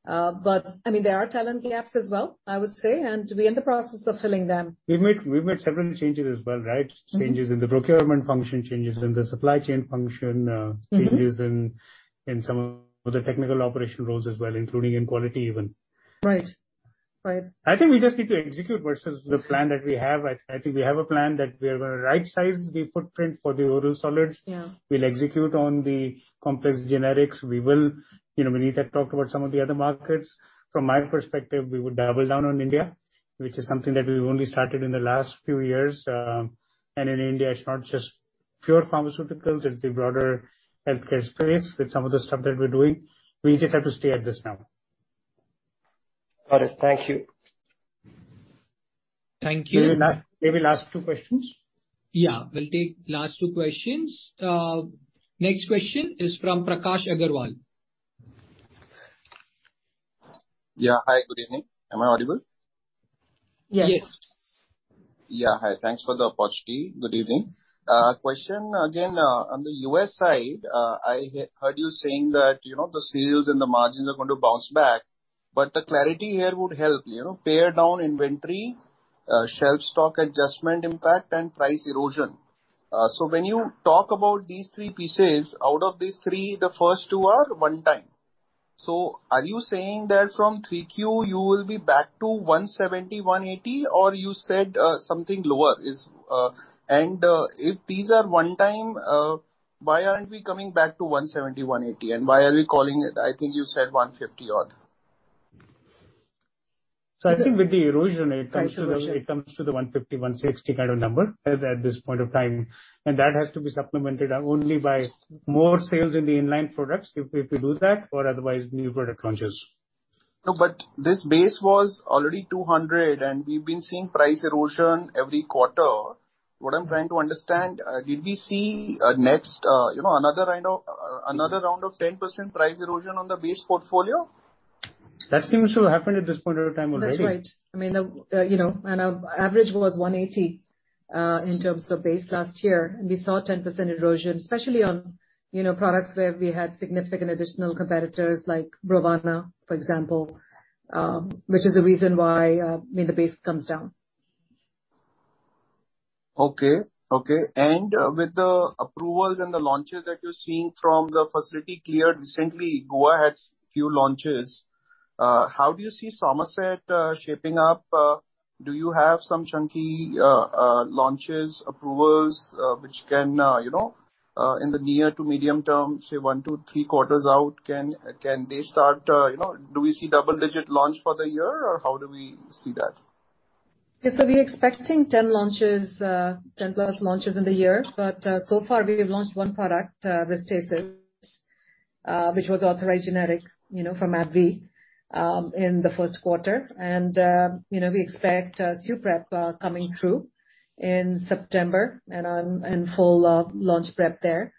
I mean, there are talent gaps as well, I would say, and we're in the process of filling them. We've made several changes as well, right? Mm-hmm. Changes in the procurement function, changes in the supply chain function. Mm-hmm. Changes in some of the technical operation roles as well, including in quality even. Right. Right. I think we just need to execute versus the plan that we have. I think we have a plan that we are gonna right-size the footprint for the oral solids. Yeah. We'll execute on the complex generics. We will. You know, Vinita talked about some of the other markets. From my perspective, we would double down on India, which is something that we've only started in the last few years. In India, it's not just pure pharmaceuticals, it's the broader healthcare space with some of the stuff that we're doing. We just have to stay at this now. Got it. Thank you. Thank you. Maybe last two questions. Yeah, we'll take last two questions. Next question is from Prakash Agarwal. Yeah. Hi, good evening. Am I audible? Yes. Yes. Yeah. Hi. Thanks for the opportunity. Good evening. Question again on the U.S side. I heard you saying that, you know, the sales and the margins are going to bounce back, but the clarity here would help, you know, pare down inventory, shelf stock adjustment impact and price erosion. When you talk about these three pieces, out of these three, the first two are one time. Are you saying that from Q3, you will be back to $170, $180, or you said something lower is. If these are one time, why aren't we coming back to $170, $180, and why are we calling it, I think you said $150 odd? I think with the erosion. Price erosion. It comes to the 150-160 kind of number at this point of time. That has to be supplemented only by more sales in the in-line products if we do that, or otherwise new product launches. No, this base was already 200, and we've been seeing price erosion every quarter. What I'm trying to understand, did we see, you know, another round of 10% price erosion on the base portfolio? That seems to have happened at this point of time already. That's right. I mean, you know, and our average was $180 in terms of base last year, and we saw 10% erosion, especially, you know, products where we had significant additional competitors, like Brovana, for example, which is the reason why, I mean, the base comes down. With the approvals and the launches that you're seeing from the facility cleared recently, Goa has few launches. How do you see Somerset shaping up? Do you have some chunky launches, approvals, which can, you know, in the near to medium term, say one to three quarters out, can they start, you know? Do we see double-digit launch for the year or how do we see that? We're expecting 10 launches, 10+ launches in the year. So far we have launched one product, Restasis, which was authorized generic, you know, from AbbVie, in the first quarter. You know, we expect Suprep coming through in September and on, and full launch prep there.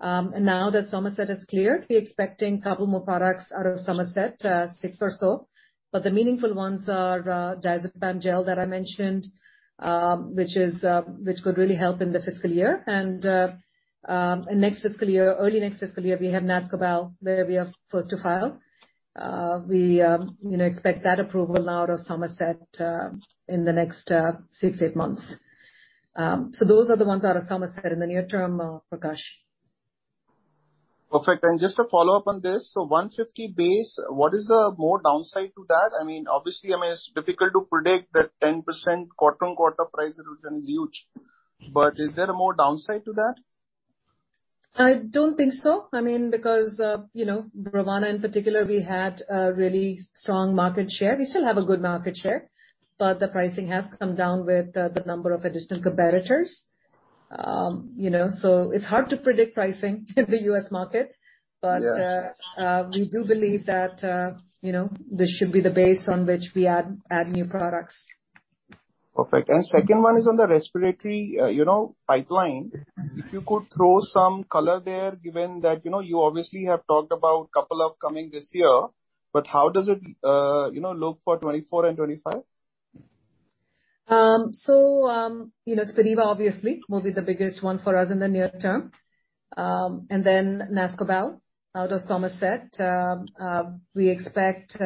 Now that Somerset is cleared, we're expecting couple more products out of Somerset, six or so. The meaningful ones are diazepam gel that I mentioned, which could really help in the fiscal year and next fiscal year, early next fiscal year, we have Nascobal, where we are first to file. You know, we expect that approval out of Somerset in the next six-eight months. Those are the ones out of Somerset in the near term, Prakash. Perfect. Just to follow up on this, so 150 base, what is the more downside to that? I mean, obviously, I mean, it's difficult to predict that 10% quarter-on-quarter price reduction is huge. Is there a more downside to that? I don't think so. I mean, because, you know, Brovana in particular, we had a really strong market share. We still have a good market share, but the pricing has come down with the number of additional competitors. You know, so it's hard to predict pricing in the U.S market. Yeah. We do believe that, you know, this should be the base on which we add new products. Perfect. Second one is on the respiratory, you know, pipeline. If you could throw some color there, given that, you know, you obviously have talked about couple upcoming this year, but how does it, you know, look for 2024 and 2025? You know, Spiriva obviously will be the biggest one for us in the near term. Then Nascobal out of Somerset. We expect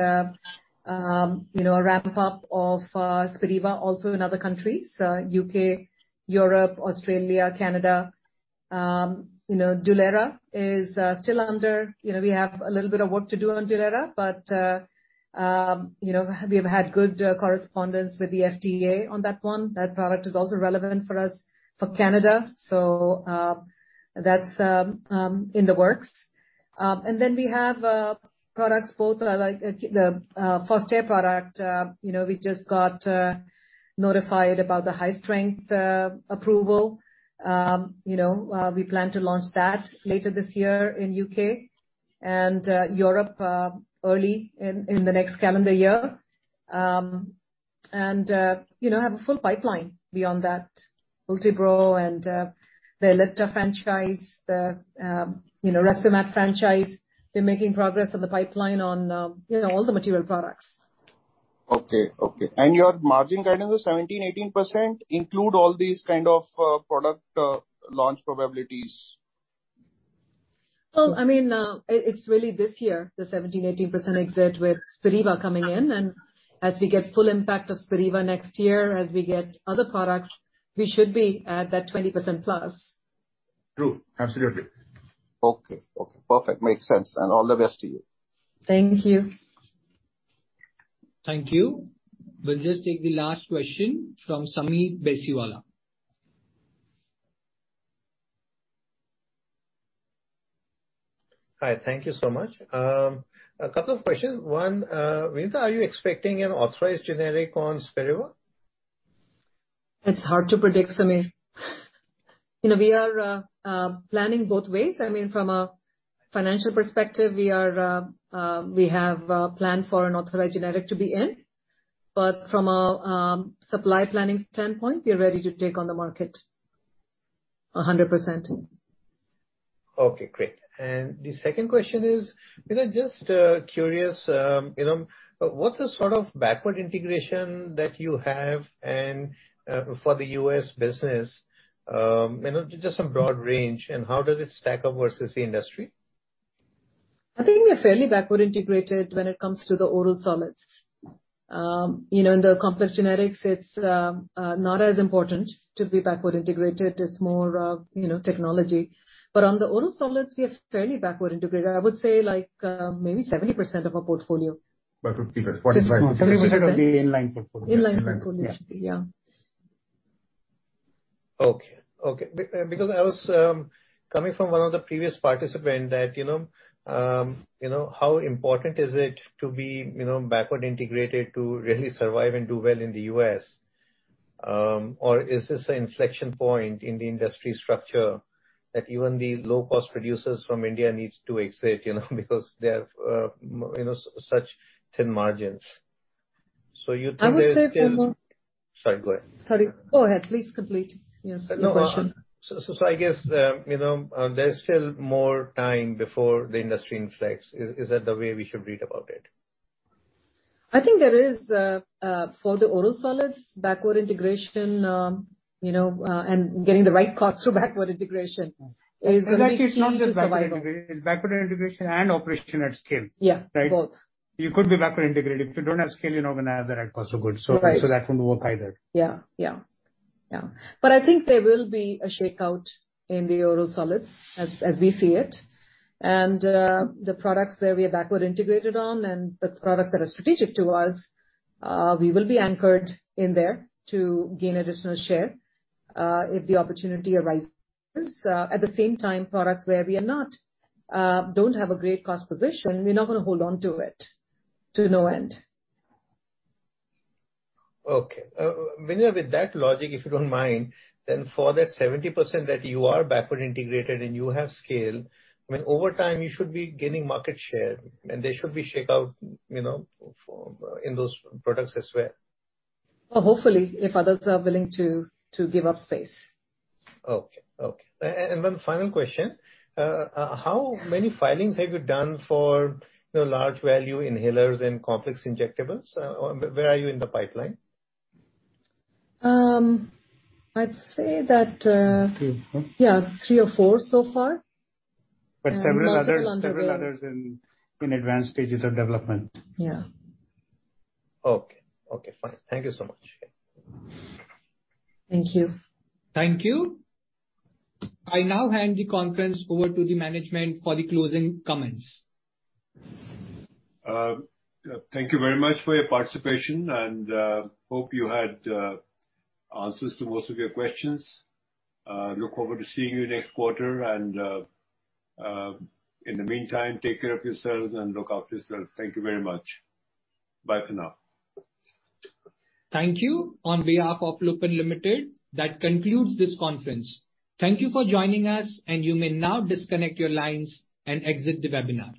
you know, a ramp up of Spiriva also in other countries, U.K, Europe, Australia, Canada. You know, Dulera is still under. You know, we have a little bit of work to do on Dulera, but you know, we have had good correspondence with the FDA on that one. That product is also relevant for us for Canada. That's in the works. Then we have products both are like the Fostair product. You know, we just got notified about the high strength approval. You know, we plan to launch that later this year in U.K and Europe early in the next calendar year. You know, have a full pipeline beyond that, Ultibro and the Ellipta franchise, the Respimat franchise. We're making progress on the pipeline on, you know, all the material products. Your margin guidance of 17%-18% include all these kind of product launch probabilities? Well, I mean, it's really this year, the 17%-18% exit with Spiriva coming in. As we get full impact of Spiriva next year, as we get other products, we should be at that 20%+. True. Absolutely. Okay. Okay. Perfect. Makes sense. All the best to you. Thank you. Thank you. We'll just take the last question from Sameer Baisiwala. Hi. Thank you so much. A couple of questions. One, Vinita, are you expecting an authorized generic on Spiriva? It's hard to predict, Sameer. You know, we are planning both ways. I mean, from a financial perspective, we have planned for an authorized generic to be in. From a supply planning standpoint, we are ready to take on the market 100%. Okay, great. The second question is, Vinita, just curious, you know, what's the sort of backward integration that you have and, for the U.S business, you know, just some broad range, and how does it stack up versus the industry? I think we're fairly backward integrated when it comes to the oral solids. You know, in the complex generics, it's not as important to be backward integrated. It's more, you know, technology. On the oral solids, we are fairly backward integrated. I would say like, maybe 70% of our portfolio. Backward integrated. 70% of the in-line portfolio. In-line portfolio. Yeah. Yeah. Because I was coming from one of the previous participant that, you know, you know, how important is it to be, you know, backward integrated to really survive and do well in the U.S? Or is this an inflection point in the industry structure that even the low-cost producers from India needs to exit, you know, because they have, you know, such thin margins. You think there's still- I would say for more. Sorry, go ahead. Sorry, go ahead. Please complete, yes, your question. No, I guess, you know, there's still more time before the industry inflects. Is that the way we should read about it? I think there is, for the oral solids, backward integration, you know, and getting the right cost through backward integration is gonna be key to survival. In fact, it's not just backward integration, it's backward integration and operation at scale. Yeah. Right? Both. You could be backward integrated. If you don't have scale, you're not gonna have the right cost of goods. Right. That wouldn't work either. Yeah. I think there will be a shakeout in the oral solids as we see it. The products where we are backward integrated on and the products that are strategic to us, we will be anchored in there to gain additional share, if the opportunity arises. At the same time, products where we are not, don't have a great cost position, we're not gonna hold on to it to no end. Okay. Vinita, with that logic, if you don't mind, then for that 70% that you are backward integrated and you have scale, I mean, over time you should be gaining market share and there should be shakeout, you know, for, in those products as well. Well, hopefully, if others are willing to give up space. Okay. One final question. How many filings have you done for, you know, large value inhalers and complex injectables? Where are you in the pipeline? I'd say that. Three, huh? Yeah, three or four so far. Not too long ago. Several others in advanced stages of development. Yeah. Okay. Okay, fine. Thank you so much. Thank you. Thank you. I now hand the conference over to the management for the closing comments. Thank you very much for your participation, and hope you had answers to most of your questions. Look forward to seeing you next quarter and, in the meantime, take care of yourselves and look after yourself. Thank you very much, bye for now. Thank you. On behalf of Lupin Limited, that concludes this conference. Thank you for joining us and you may now disconnect your lines and exit the webinar.